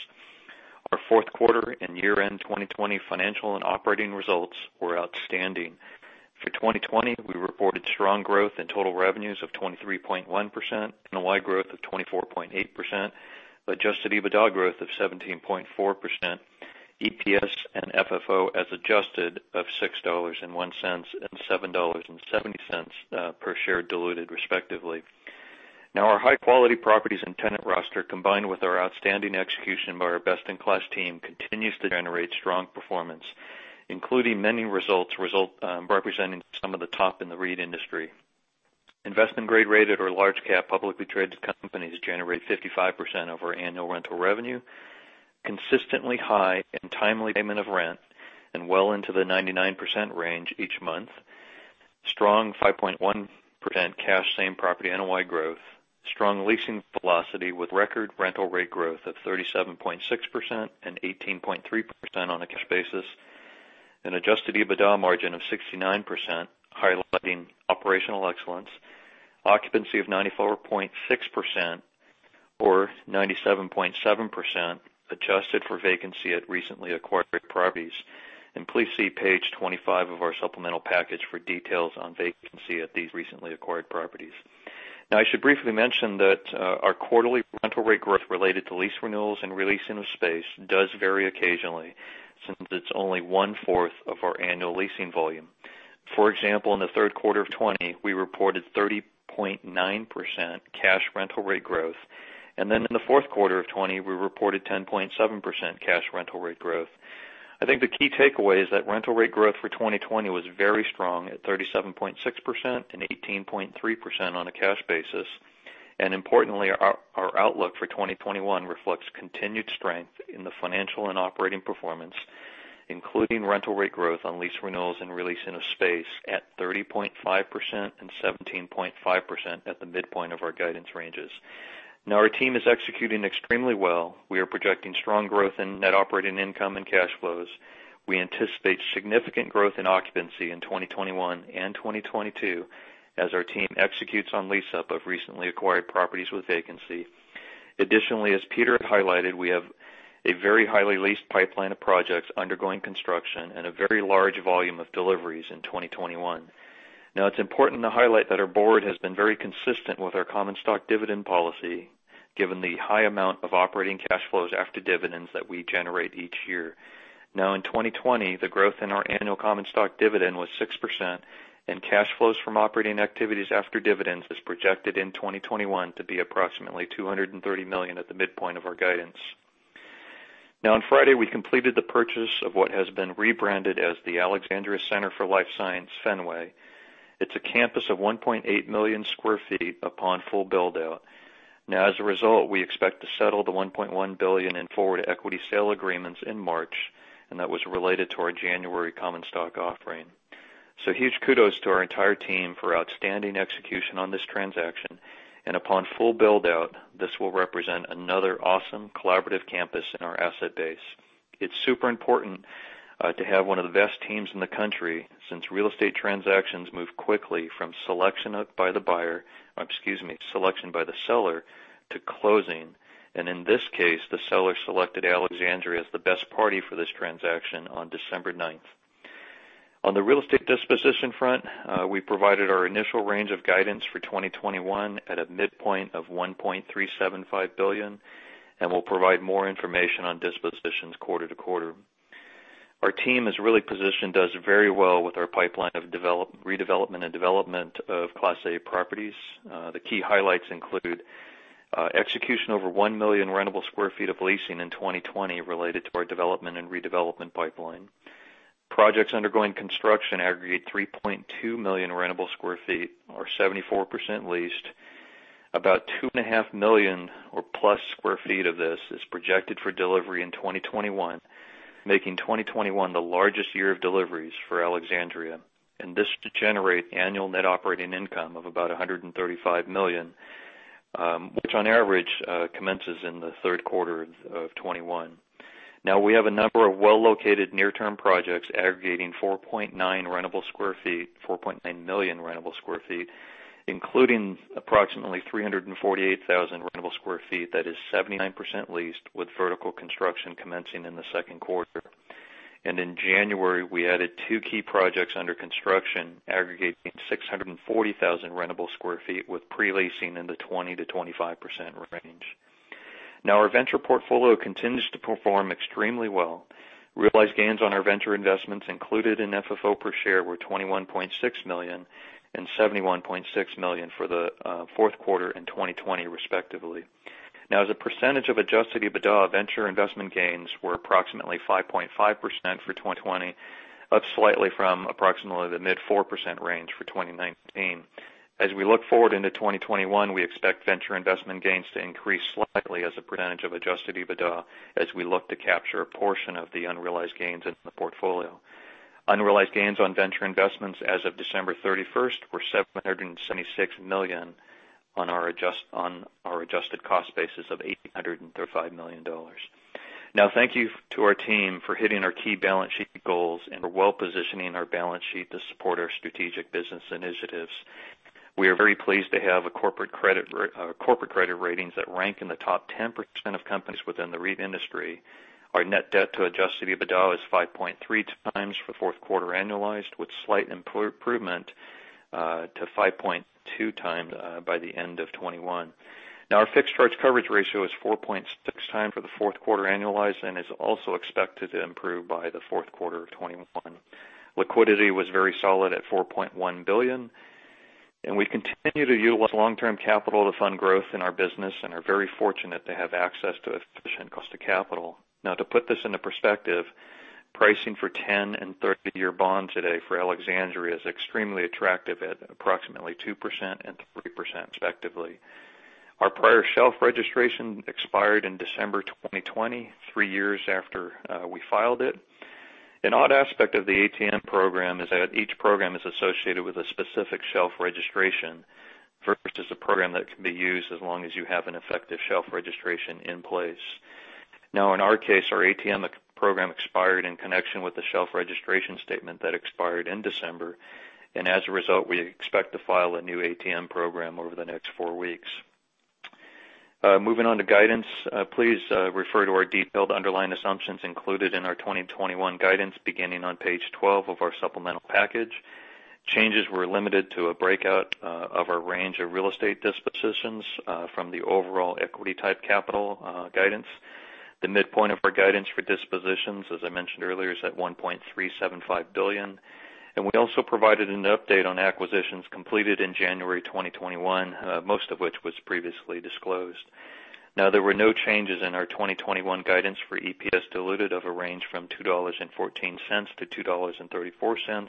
Our fourth quarter and year-end 2020 financial and operating results were outstanding. For 2020, we reported strong growth in total revenues of 23.1%, NOI growth of 24.8%, adjusted EBITDA growth of 17.4%, EPS and FFO as adjusted of $6.01 and $7.70 per share diluted, respectively. Our high-quality properties and tenant roster, combined with our outstanding execution by our best-in-class team, continues to generate strong performance, including many results representing some of the top in the REIT industry. Investment grade rated or large cap publicly traded companies generate 55% of our annual rental revenue, consistently high and timely payment of rent and well into the 99% range each month. Strong 5.1% cash same property NOI growth. Strong leasing velocity with record rental rate growth of 37.6% and 18.3% on a cash basis. An adjusted EBITDA margin of 69%, highlighting operational excellence. Occupancy of 94.6% or 97.7% adjusted for vacancy at recently acquired properties. Please see page 25 of our supplemental package for details on vacancy at these recently acquired properties. I should briefly mention that our quarterly rental rate growth related to lease renewals and re-leasing of space does vary occasionally, since it's only 1/4 of our annual leasing volume. For example, in the third quarter of 2020, we reported 30.9% cash rental rate growth, and then in the fourth quarter of 2020, we reported 10.7% cash rental rate growth. I think the key takeaway is that rental rate growth for 2020 was very strong at 37.6% and 18.3% on a cash basis. Importantly, our outlook for 2021 reflects continued strength in the financial and operating performance, including rental rate growth on lease renewals and re-leasing of space at 30.5% and 17.5% at the midpoint of our guidance ranges. Our team is executing extremely well. We are projecting strong growth in net operating income and cash flows. We anticipate significant growth in occupancy in 2021 and 2022 as our team executes on lease-up of recently acquired properties with vacancy. Additionally, as Peter highlighted, we have a very highly leased pipeline of projects undergoing construction and a very large volume of deliveries in 2021. It's important to highlight that our board has been very consistent with our common stock dividend policy, given the high amount of operating cash flows after dividends that we generate each year. In 2020, the growth in our annual common stock dividend was 6%, and cash flows from operating activities after dividends is projected in 2021 to be approximately $230 million at the midpoint of our guidance. On Friday, we completed the purchase of what has been rebranded as the Alexandria Center for Life Science Fenway. It's a campus of 1.8 million square feet upon full build-out. As a result, we expect to settle the $1.1 billion in forward equity sale agreements in March, and that was related to our January common stock offering. Huge kudos to our entire team for outstanding execution on this transaction, upon full build-out, this will represent another awesome collaborative campus in our asset base. It's super important to have one of the best teams in the country since real estate transactions move quickly from excuse me, selection by the seller to closing, in this case, the seller selected Alexandria as the best party for this transaction on December 9th. On the real estate disposition front, we provided our initial range of guidance for 2021 at a midpoint of $1.375 billion, we'll provide more information on dispositions quarter to quarter. Our team is really positioned, does very well with our pipeline of redevelopment and development of Class A properties. The key highlights include execution over one million rentable square feet of leasing in 2020 related to our development and redevelopment pipeline. Projects undergoing construction aggregate 3.2 million rentable square feet are 74% leased. About 2.5 million+ square feet of this is projected for delivery in 2021, making 2021 the largest year of deliveries for Alexandria. This should generate annual net operating income of about $135 million, which on average, commences in the third quarter of 2021. We have a number of well-located near-term projects aggregating 4.9 million rentable square feet, including approximately 348,000 rentable square feet that is 79% leased with vertical construction commencing in the second quarter. In January, we added two key projects under construction aggregating 640,000 rentable square feet with pre-leasing in the 20%-25% range. Our venture portfolio continues to perform extremely well. Realized gains on our venture investments included in FFO per share were $21.6 million and $71.6 million for the fourth quarter in 2020, respectively. As a percentage of adjusted EBITDA, venture investment gains were approximately 5.5% for 2020, up slightly from approximately the mid-4% range for 2019. As we look forward into 2021, we expect venture investment gains to increase slightly as a percentage of adjusted EBITDA as we look to capture a portion of the unrealized gains in the portfolio. Unrealized gains on venture investments as of December 31st were $776 million on our adjusted cost basis of $835 million. Now, thank you to our team for hitting our key balance sheet goals and for well-positioning our balance sheet to support our strategic business initiatives. We are very pleased to have a corporate credit rating that rank in the top 10% of companies within the REIT industry. Our net debt to adjusted EBITDA is 5.3x for fourth quarter annualized, with slight improvement to 5.2x by the end of 2021. Now our fixed charge coverage ratio is 4.6x for the fourth quarter annualized and is also expected to improve by the fourth quarter of 2021. Liquidity was very solid at $4.1 billion, and we continue to utilize long-term capital to fund growth in our business and are very fortunate to have access to efficient cost of capital. To put this into perspective, pricing for 10 and 30-year bonds today for Alexandria is extremely attractive at approximately 2% and 3%, respectively. Our prior shelf registration expired in December 2020, three years after we filed it. An odd aspect of the ATM program is that each program is associated with a specific shelf registration, versus a program that can be used as long as you have an effective shelf registration in place. Now, in our case, our ATM program expired in connection with the shelf registration statement that expired in December, and as a result, we expect to file a new ATM program over the next four weeks. Moving on to guidance. Please refer to our detailed underlying assumptions included in our 2021 guidance, beginning on page 12 of our supplemental package. Changes were limited to a breakout of our range of real estate dispositions from the overall equity type capital guidance. The midpoint of our guidance for dispositions, as I mentioned earlier, is at $1.375 billion. We also provided an update on acquisitions completed in January 2021, most of which was previously disclosed. There were no changes in our 2021 guidance for EPS diluted of a range from $2.14-$2.34,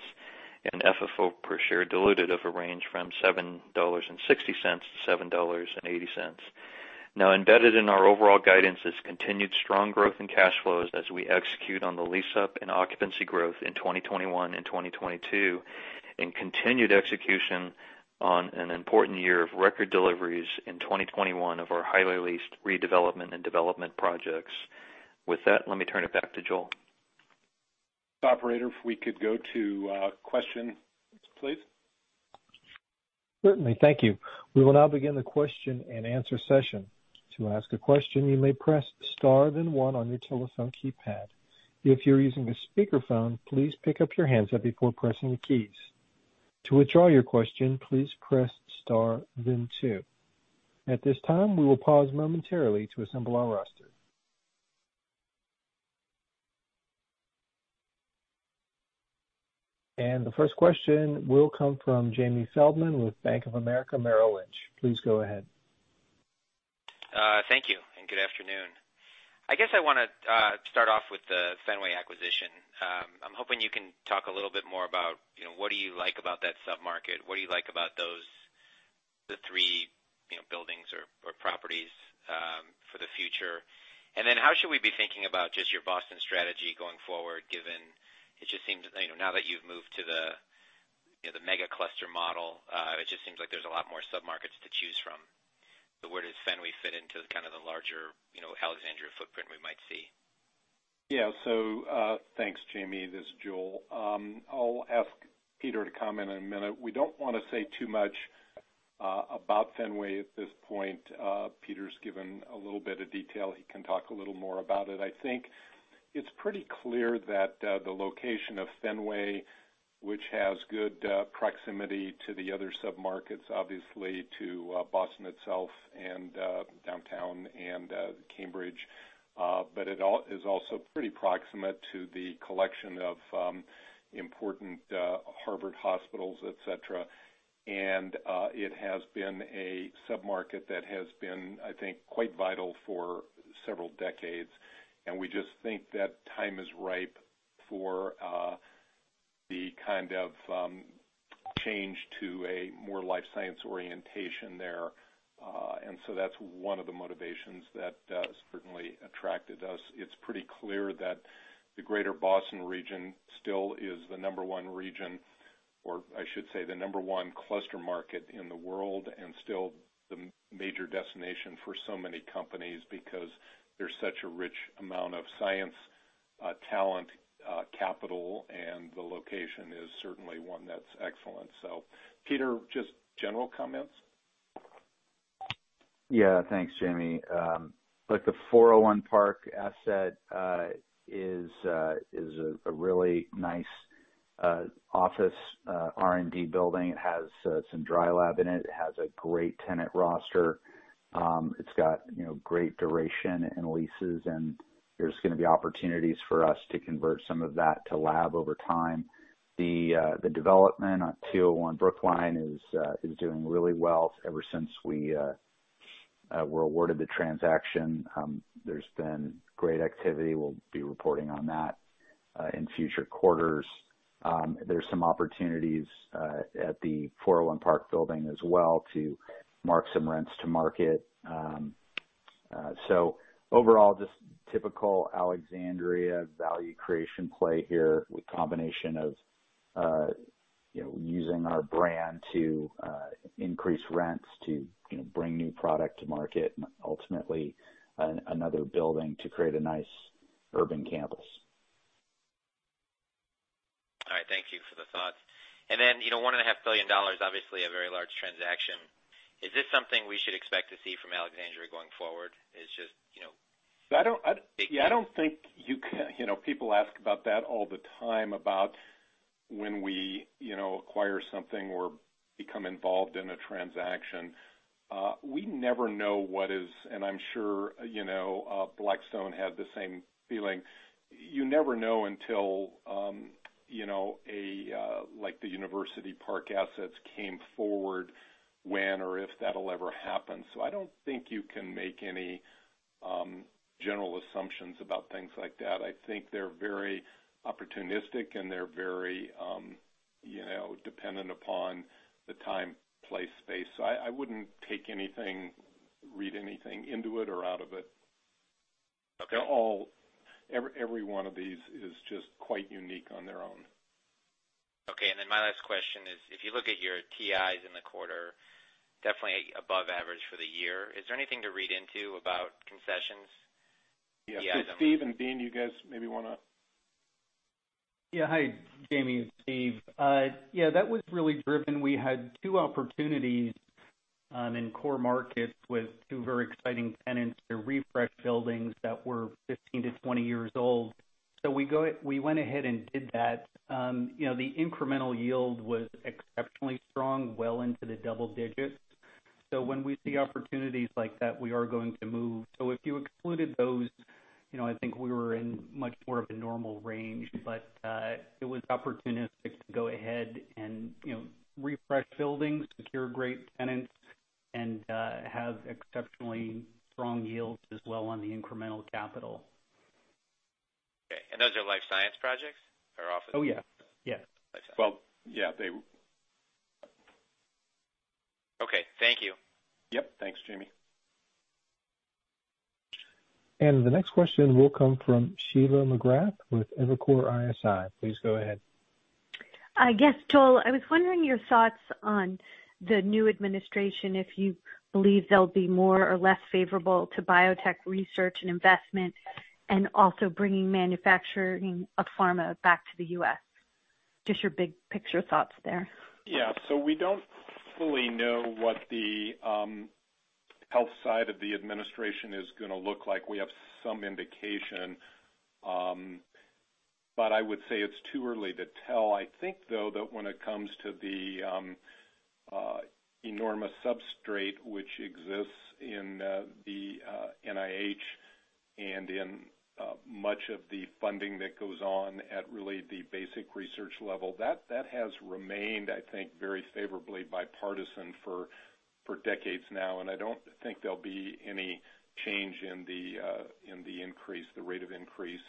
and FFO per share diluted of a range from $7.60-$7.80. Embedded in our overall guidance is continued strong growth in cash flows as we execute on the lease-up and occupancy growth in 2021 and 2022, and continued execution on an important year of record deliveries in 2021 of our highly leased redevelopment and development projects. With that, let me turn it back to Joel. Operator, if we could go to question, please. Certainly. Thank you. We will now begin the question-and-answer session. To ask a question, you may press star then one on your telephone keypad. If your're using a speakerphone, please pick up your handset before pressing the keys. To withdraw your question, please press star then two. At this time, we will pause momentarily to assemble our roster. And the first question will come from Jamie Feldman with Bank of America Merrill Lynch. Please go ahead. Thank you, and good afternoon. I guess I want to start off with the Fenway acquisition. I'm hoping you can talk a little bit more about what do you like about that sub-market? What do you like about the three buildings or properties for the future? How should we be thinking about just your Boston strategy going forward, given now that you've moved to the mega cluster model, it just seems like there's a lot more sub-markets to choose from. Where does Fenway fit into kind of the larger Alexandria footprint we might see? Thanks, Jamie. This is Joel. I'll ask Peter to comment in a minute. We don't want to say too much about Fenway at this point. Peter's given a little bit of detail. He can talk a little more about it. I think it's pretty clear that the location of Fenway, which has good proximity to the other sub-markets, obviously to Boston itself and downtown and Cambridge. It is also pretty proximate to the collection of important Harvard hospitals, et cetera. It has been a sub-market that has been, I think, quite vital for several decades. We just think that time is ripe for the kind of change to a more life science orientation there. That's one of the motivations that certainly attracted us. It's pretty clear that the greater Boston region still is the number one region, or I should say the number one cluster market in the world, and still the major destination for so many companies, because there's such a rich amount of science talent, capital, and the location is certainly one that's excellent. Peter, just general comments. Yeah. Thanks, Jamie. Look, the 401 Park asset is a really nice office R&D building. It has some dry lab in it. It has a great tenant roster. It's got great duration and leases, and there's going to be opportunities for us to convert some of that to lab over time. The development on 201 Brookline is doing really well. Ever since we were awarded the transaction, there's been great activity. We'll be reporting on that in future quarters. There's some opportunities at the 401 Park building as well to mark some rents to market. Overall, just typical Alexandria value creation play here with combination of using our brand to increase rents, to bring new product to market, and ultimately another building to create a nice urban campus. All right. Thank you for the thoughts. $1.5 billion, obviously a very large transaction. Is this something we should expect to see from Alexandria going forward? Is just you know. I don't think people ask about that all the time, about when we acquire something or become involved in a transaction. We never know what is, and I'm sure Blackstone had the same feeling. You never know until, like the University Park assets came forward, when or if that'll ever happen. I don't think you can make any general assumptions about things like that. I think they're very opportunistic and they're very dependent upon the time-place space. I wouldn't take anything, read anything into it or out of it. Okay. Every one of these is just quite unique on their own. Okay. Then my last question is, if you look at your TIs in the quarter, definitely above average for the year, is there anything to read into about concessions? Yeah. Steve and Dean, you guys maybe want to Yeah. Hi, Jamie, it's Steve. Yeah, that was really driven. We had two opportunities in core markets with two very exciting tenants to refresh buildings that were 15-20 years old. We went ahead and did that. The incremental yield was exceptionally strong, well into the double digits. When we see opportunities like that, we are going to move. If you excluded those, I think we were in much more of a normal range. It was opportunistic to go ahead and refresh buildings, secure great tenants, and have exceptionally strong yields as well on the incremental capital. Okay. Those are life science projects or office? Oh, yeah. Well, yeah. Okay. Thank you. Yep. Thanks, Jamie. The next question will come from Sheila McGrath with Evercore ISI. Please go ahead. I guess, Joel, I was wondering your thoughts on the new administration, if you believe they'll be more or less favorable to biotech research and investment, and also bringing manufacturing of pharma back to the U.S. Just your big-picture thoughts there. We don't fully know what the health side of the administration is going to look like. We have some indication. I would say it's too early to tell. I think, though, that when it comes to the enormous substrate which exists in the NIH and in much of the funding that goes on at really the basic research level, that has remained, I think, very favorably bipartisan for decades now. I don't think there'll be any change in the rate of increase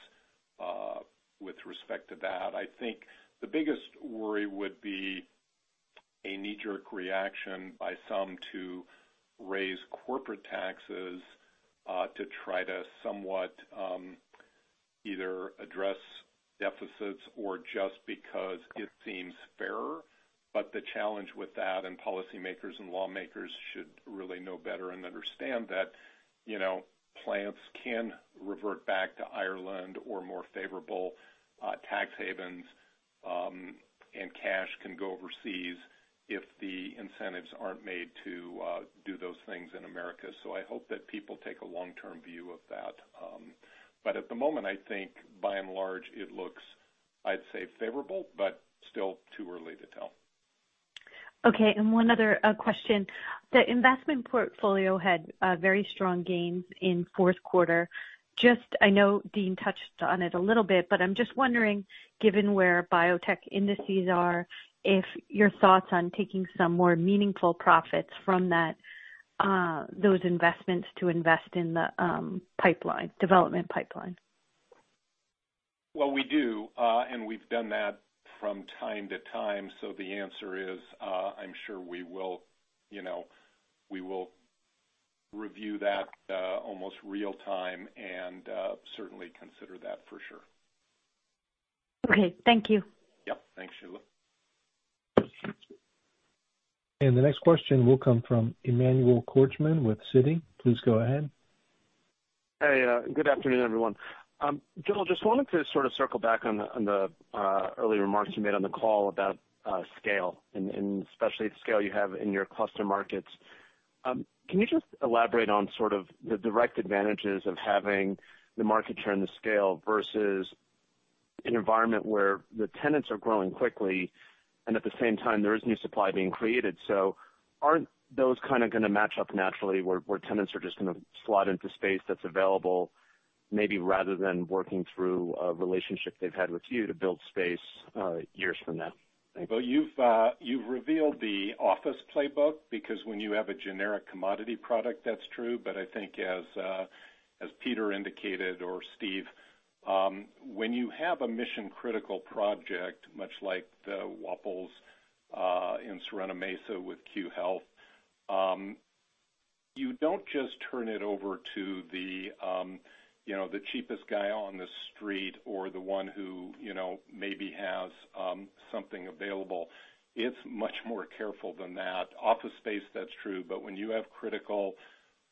with respect to that. I think the biggest worry would be a knee-jerk reaction by some to raise corporate taxes to try to somewhat either address deficits or just because it seems fairer. The challenge with that, and policymakers and lawmakers should really know better and understand that, plants can revert back to Ireland or more favorable tax havens, and cash can go overseas if the incentives aren't made to do those things in America. I hope that people take a long-term view of that. At the moment, I think by and large, it looks, I'd say favorable, but still too early to tell. Okay, one other question. The investment portfolio had very strong gains in the fourth quarter. I know Dean touched on it a little bit, I'm just wondering, given where biotech indices are, if your thoughts on taking some more meaningful profits from those investments to invest in the development pipeline. Well, we do. We've done that from time to time. The answer is, I'm sure we will review that almost real-time and certainly consider that for sure. Okay. Thank you. Yep. Thanks, Sheila. The next question will come from Emmanuel Korchman with Citi. Please go ahead. Hey, good afternoon, everyone. Joel, just wanted to sort of circle back on the early remarks you made on the call about scale, and especially scale you have in your cluster markets. Can you just elaborate on sort of the direct advantages of having the market share and the scale versus an environment where the tenants are growing quickly and at the same time, there is new supply being created. Aren't those kind of going to match up naturally, where tenants are just going to slot into space that's available, maybe rather than working through a relationship they've had with you to build space years from now? You've revealed the office playbook because when you have a generic commodity product, that's true. I think as Peter indicated or Steve, when you have a mission-critical project, much like the Waples in Sorrento Mesa with Cue Health, you don't just turn it over to the cheapest guy on the street or the one who maybe has something available. It's much more careful than that. Office space, that's true, when you have critical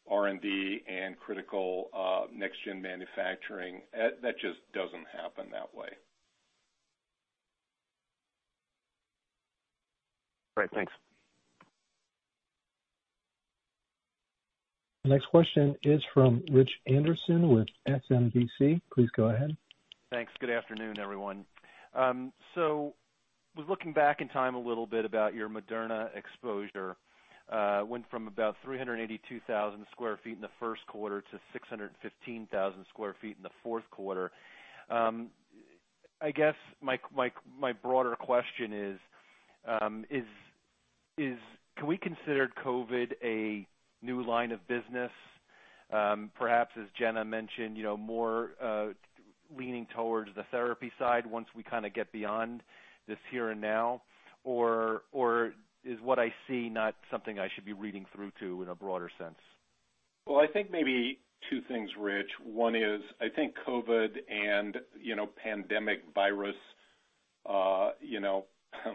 R&D and critical next-gen manufacturing, that just doesn't happen that way. Great. Thanks. The next question is from Rich Anderson with SMBC. Please go ahead. Thanks. Good afternoon, everyone. Was looking back in time a little bit about your Moderna exposure. Went from about 382,000 sq ft in the first quarter to 615,000 sq ft in the fourth quarter. I guess my broader question is, can we consider COVID a new line of business? Perhaps as Jenna mentioned, more leaning towards the therapy side once we kind of get beyond this here and now, or is what I see not something I should be reading through to in a broader sense? Well, I think maybe two things, Rich. One is, I think COVID and pandemic virus,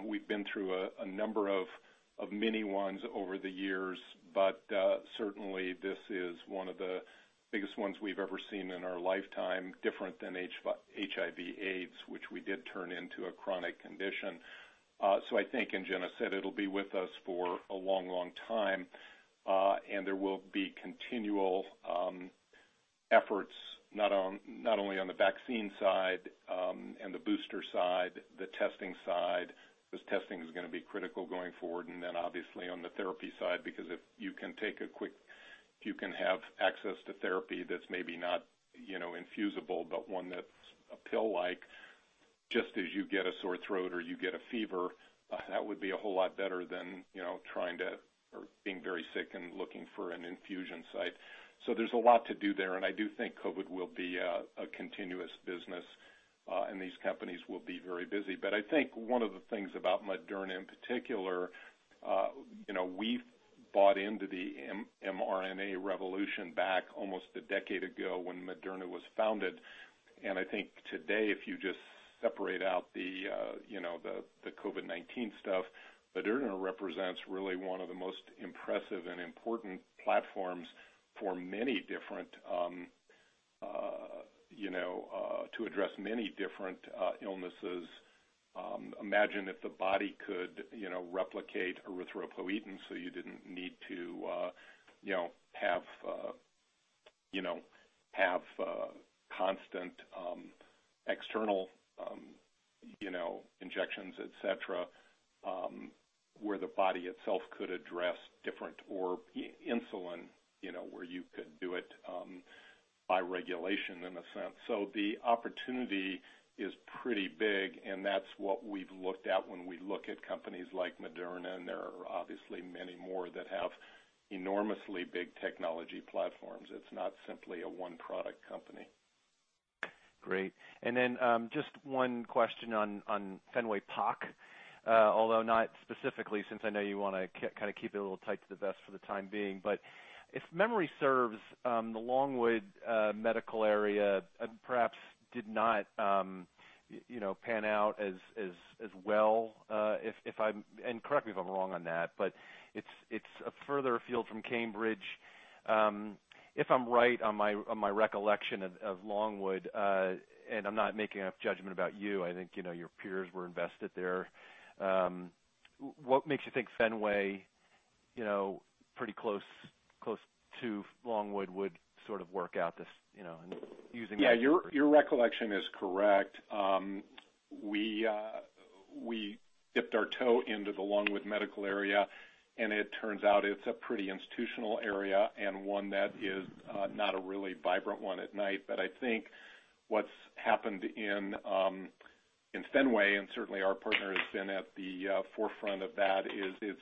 we've been through a number of many ones over the years, certainly this is one of the biggest ones we've ever seen in our lifetime, different than HIV/AIDS, which we did turn into a chronic condition. I think, and Jenna said it'll be with us for a long time, and there will be continual efforts, not only on the vaccine side, and the booster side, the testing side, because testing is going to be critical going forward, and then obviously on the therapy side, because if you can have access to therapy that's maybe not infusible, but one that's a pill-like, just as you get a sore throat or you get a fever, that would be a whole lot better than trying to or being very sick and looking for an infusion site. There's a lot to do there, and I do think COVID will be a continuous business, and these companies will be very busy. I think one of the things about Moderna in particular, we've bought into the mRNA revolution back almost a decade ago when Moderna was founded, and I think today, if you just separate out the COVID-19 stuff, Moderna represents really one of the most impressive and important platforms to address many different illnesses. Imagine if the body could replicate erythropoietin so you didn't need to have constant external injections, et cetera, where the body itself could address different or insulin, where you could do it by regulation in a sense. The opportunity is pretty big, and that's what we've looked at when we look at companies like Moderna, and there are obviously many more that have enormously big technology platforms. It's not simply a one-product company. Great. Just one question on Fenway Park, although not specifically since I know you want to kind of keep it a little tight to the vest for the time being. If memory serves, the Longwood medical area perhaps did not pan out as well, and correct me if I'm wrong on that, but it's further afield from Cambridge. If I'm right on my recollection of Longwood, and I'm not making a judgment about you, I think your peers were invested there. What makes you think Fenway, pretty close to Longwood would sort of work out this? Yeah, your recollection is correct. We dipped our toe into the Longwood Medical Area, and it turns out it's a pretty institutional area and one that is not a really vibrant one at night. I think what's happened in Fenway, and certainly our partner has been at the forefront of that, is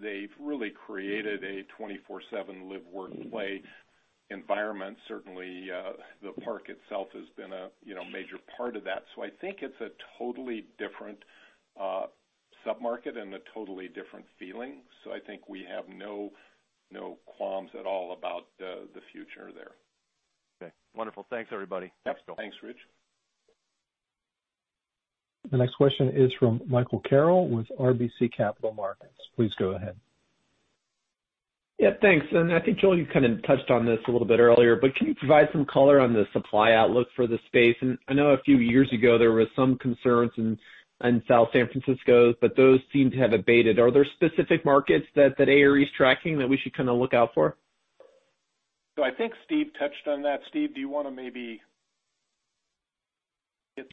they've really created a 24/7 live, work, play environment. Certainly, the park itself has been a major part of that. I think it's a totally different sub-market and a totally different feeling. I think we have no qualms at all about the future there. Okay, wonderful. Thanks, everybody. Thanks, Rich. The next question is from Michael Carroll with RBC Capital Markets. Please go ahead. Yeah, thanks. I think Joel, you kind of touched on this a little bit earlier, but can you provide some color on the supply outlook for the space? I know a few years ago, there was some concerns in South San Francisco, but those seem to have abated. Are there specific markets that ARE is tracking that we should kind of look out for? I think Steve touched on that. Steve, do you want to?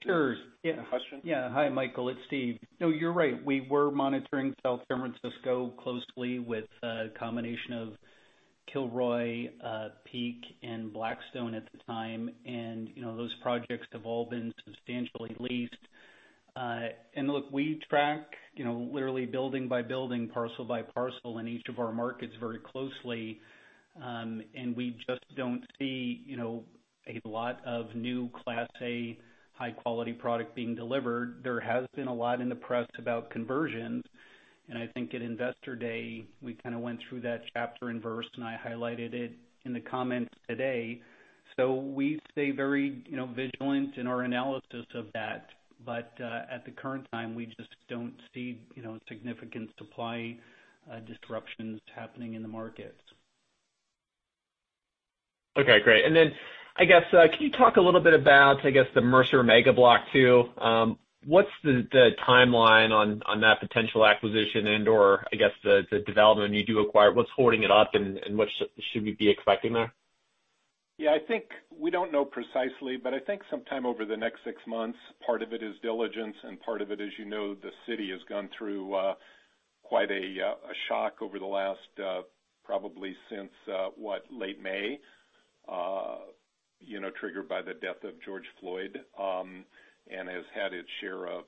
Sure. Get the question? Yeah. Hi, Michael. It's Steve. No, you're right. We were monitoring South San Francisco closely with a combination of Kilroy, Peak, and Blackstone at the time. Those projects have all been substantially leased. Look, we track literally building by building, parcel by parcel in each of our markets very closely. We just don't see a lot of new Class A high-quality product being delivered. There has been a lot in the press about conversions, and I think at Investor Day, we kind of went through that chapter and verse, and I highlighted it in the comments today. We stay very vigilant in our analysis of that. At the current time, we just don't see significant supply disruptions happening in the markets. Okay, great. I guess, can you talk a little bit about, I guess, the Mercer Mega Block too? What's the timeline on that potential acquisition and/or I guess the development you do acquire? What's holding it up and what should we be expecting there? I think we don't know precisely, but I think sometime over the next six months. Part of it is diligence, and part of it, as you know, the city has gone through quite a shock over the last probably since what, late May. Triggered by the death of George Floyd, and has had its share of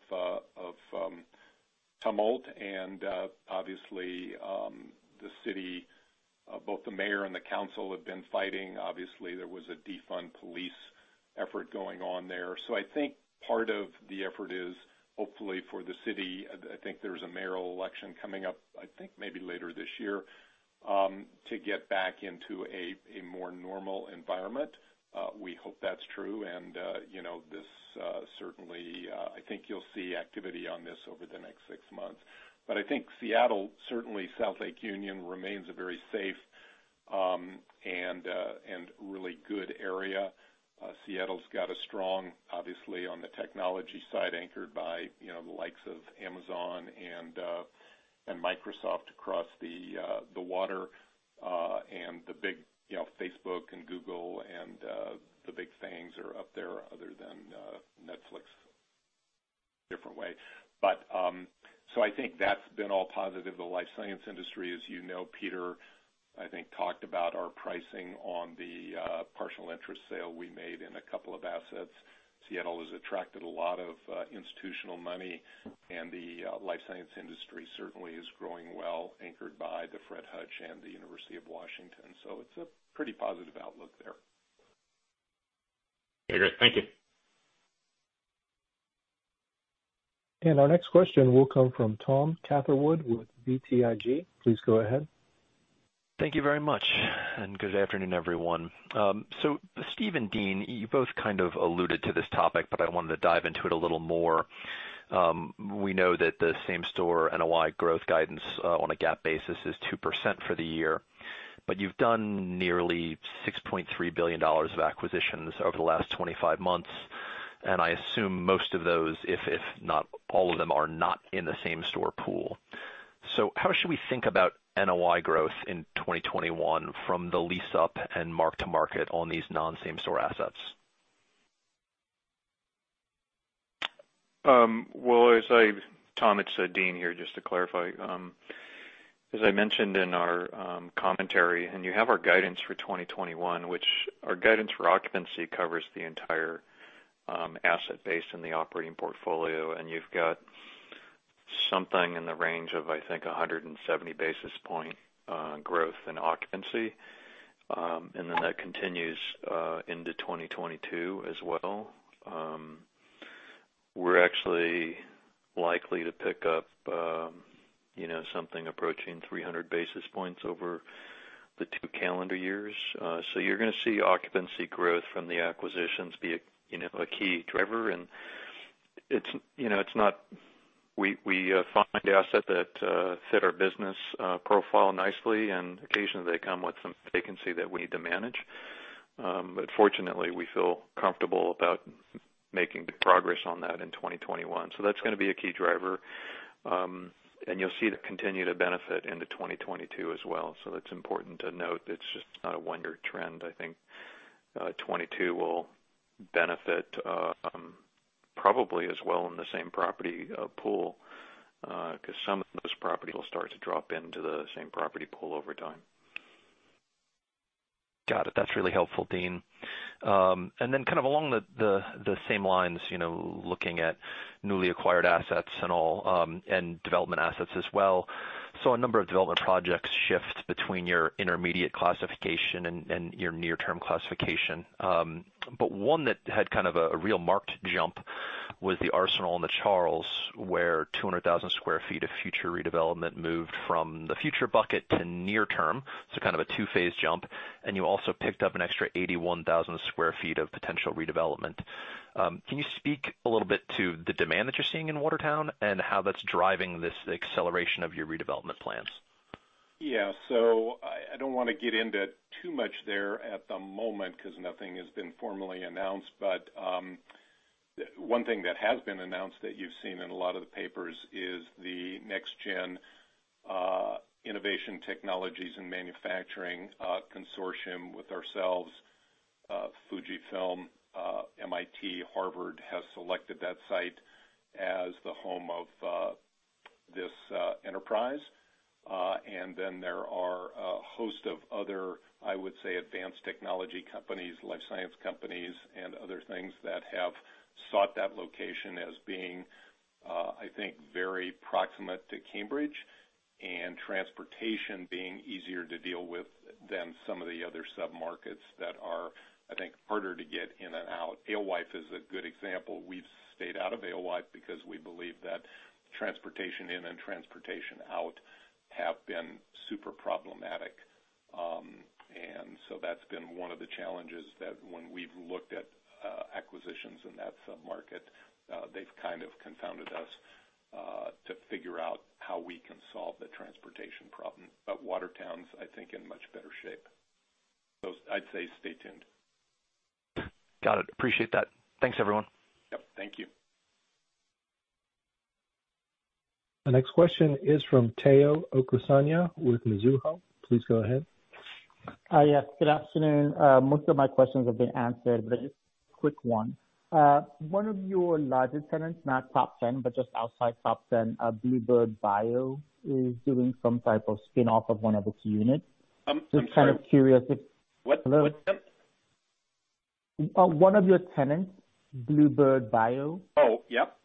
tumult and obviously the city, both the mayor and the council have been fighting. There was a defund police effort going on there. I think part of the effort is hopefully for the city, I think there's a mayoral election coming up, I think maybe later this year, to get back into a more normal environment. We hope that's true, and I think you'll see activity on this over the next six months. I think Seattle, certainly South Lake Union remains a very safe and really good area. Seattle's got a strong, obviously on the technology side, anchored by the likes of Amazon and Microsoft across the water, and Facebook and Google and the big FANGs are up there other than Netflix, different way. I think that's been all positive. The life science industry, as you know, Peter, I think, talked about our pricing on the partial interest sale we made in a couple of assets. Seattle has attracted a lot of institutional money, and the life science industry certainly is growing well, anchored by the Fred Hutch and the University of Washington. It's a pretty positive outlook there. Okay, great. Thank you. Our next question will come from Tom Catherwood with BTIG. Please go ahead. Thank you very much, and good afternoon, everyone. Steve and Dean, you both kind of alluded to this topic, but I wanted to dive into it a little more. We know that the same-store NOI growth guidance on a GAAP basis is 2% for the year, but you've done nearly $6.3 billion of acquisitions over the last 25 months, and I assume most of those, if not all of them, are not in the same-store pool. How should we think about NOI growth in 2021 from the lease-up and mark-to-market on these non-same-store assets? Tom, it's Dean here, just to clarify. As I mentioned in our commentary, you have our guidance for 2021, which our guidance for occupancy covers the entire asset base in the operating portfolio. You've got something in the range of, I think, 170 basis point growth in occupancy. That continues into 2022 as well. We're actually likely to pick up something approaching 300 basis points over the two calendar years. You're going to see occupancy growth from the acquisitions be a key driver, and we find the asset that fit our business profile nicely, and occasionally they come with some vacancy that we need to manage. Fortunately, we feel comfortable about making good progress on that in 2021. That's going to be a key driver. You'll see that continue to benefit into 2022 as well. That's important to note. It's just not a one-year trend. I think 2022 will benefit probably as well in the same property pool because some of those properties will start to drop into the same property pool over time. Got it. That's really helpful, Dean. Kind of along the same lines, looking at newly acquired assets and development assets as well. A number of development projects shift between your intermediate classification and your near-term classification. One that had kind of a real marked jump was The Arsenal on the Charles, where 200,000 sq ft of future redevelopment moved from the future bucket to near term. Kind of a two-phase jump. You also picked up an extra 81,000 sq ft of potential redevelopment. Can you speak a little bit to the demand that you're seeing in Watertown and how that's driving this acceleration of your redevelopment plans? I don't want to get into too much there at the moment because nothing has been formally announced. One thing that has been announced that you've seen in a lot of the papers is the Next Gen Innovation Technologies and Manufacturing Consortium with ourselves, FUJIFILM, MIT, Harvard, has selected that site as the home of this enterprise. There are a host of other, I would say, advanced technology companies, life science companies, and other things that have sought that location as being, I think, very proximate to Cambridge, and transportation being easier to deal with than some of the other sub-markets that are, I think, harder to get in and out. Alewife is a good example. We've stayed out of Alewife because we believe that transportation in and transportation out have been super problematic. That's been one of the challenges that when we've looked at acquisitions in that sub-market, they've kind of confounded us to figure out how we can solve the transportation problem. Watertown's, I think, in much better shape. I'd say stay tuned. Got it. Appreciate that. Thanks, everyone. Yep. Thank you. The next question is from Tayo Okusanya with Mizuho. Please go ahead. Yes, good afternoon. Most of my questions have been answered, but Quick one. One of your largest tenants, not top 10, but just outside top 10, bluebird bio, is doing some type of spinoff of one of its units. I'm sorry. Just kind of curious if- What's that? One of your tenants, bluebird bio. Oh, yep.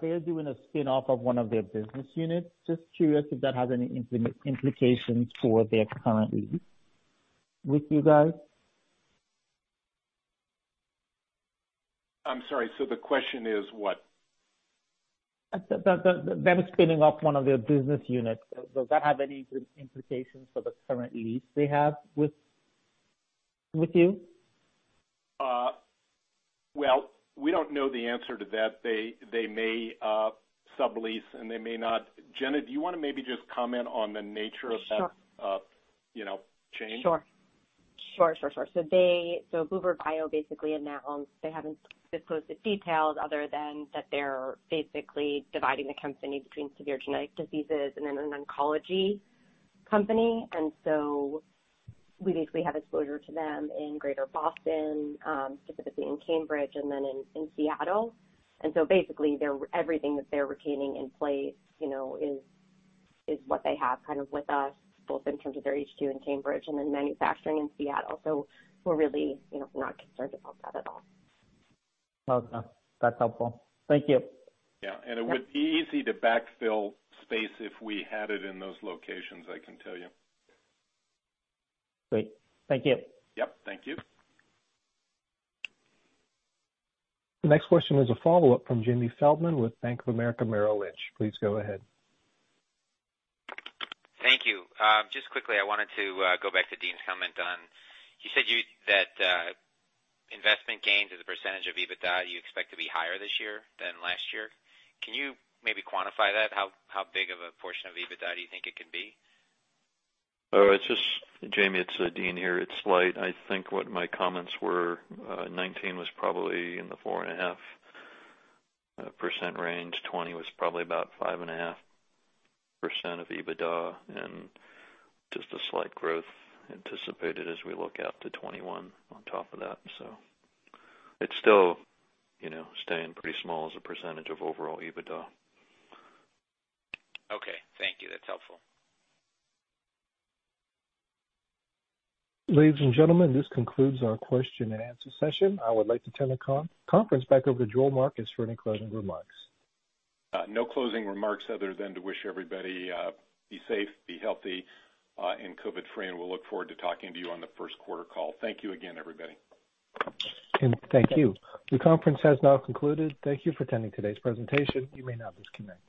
They're doing a spinoff of one of their business units. Just curious if that has any implications for their current lease with you guys. I'm sorry, the question is what? That they're spinning off one of their business units. Does that have any implications for the current lease they have with you? Well, we don't know the answer to that. They may sublease, and they may not. Jenna, do you want to maybe just comment on the nature of that? Sure. Change? Sure. bluebird bio basically announced they haven't disclosed the details other than that they're basically dividing the company between severe genetic diseases and then an oncology company. We basically have exposure to them in Greater Boston, specifically in Cambridge and then in Seattle. Basically, everything that they're retaining in place is what they have kind of with us both in terms of their HQ in Cambridge and then manufacturing in Seattle. We're really not concerned about that at all. Okay. That's helpful. Thank you. Yeah. It would be easy to backfill space if we had it in those locations, I can tell you. Great. Thank you. Yep, thank you. The next question is a follow-up from Jamie Feldman with Bank of America Merrill Lynch. Please go ahead. Thank you. Just quickly, I wanted to go back to Dean's comment on You said that investment gains as a percentage of EBITDA, you expect to be higher this year than last year. Can you maybe quantify that? How big of a portion of EBITDA do you think it could be? Jamie, it's Dean here. It's slight. I think what my comments were, 2019 was probably in the 4.5% range, 2020 was probably about 5.5% of EBITDA, and just a slight growth anticipated as we look out to 2021 on top of that. It's still staying pretty small as a percentage of overall EBITDA. Okay. Thank you. That's helpful. Ladies and gentlemen, this concludes our question and answer session. I would like to turn the conference back over to Joel Marcus for any closing remarks. No closing remarks other than to wish everybody, be safe, be healthy, and COVID free, and we'll look forward to talking to you on the first quarter call. Thank you again, everybody. And thank you. The conference has now concluded. Thank you for attending today's presentation. You may now disconnect.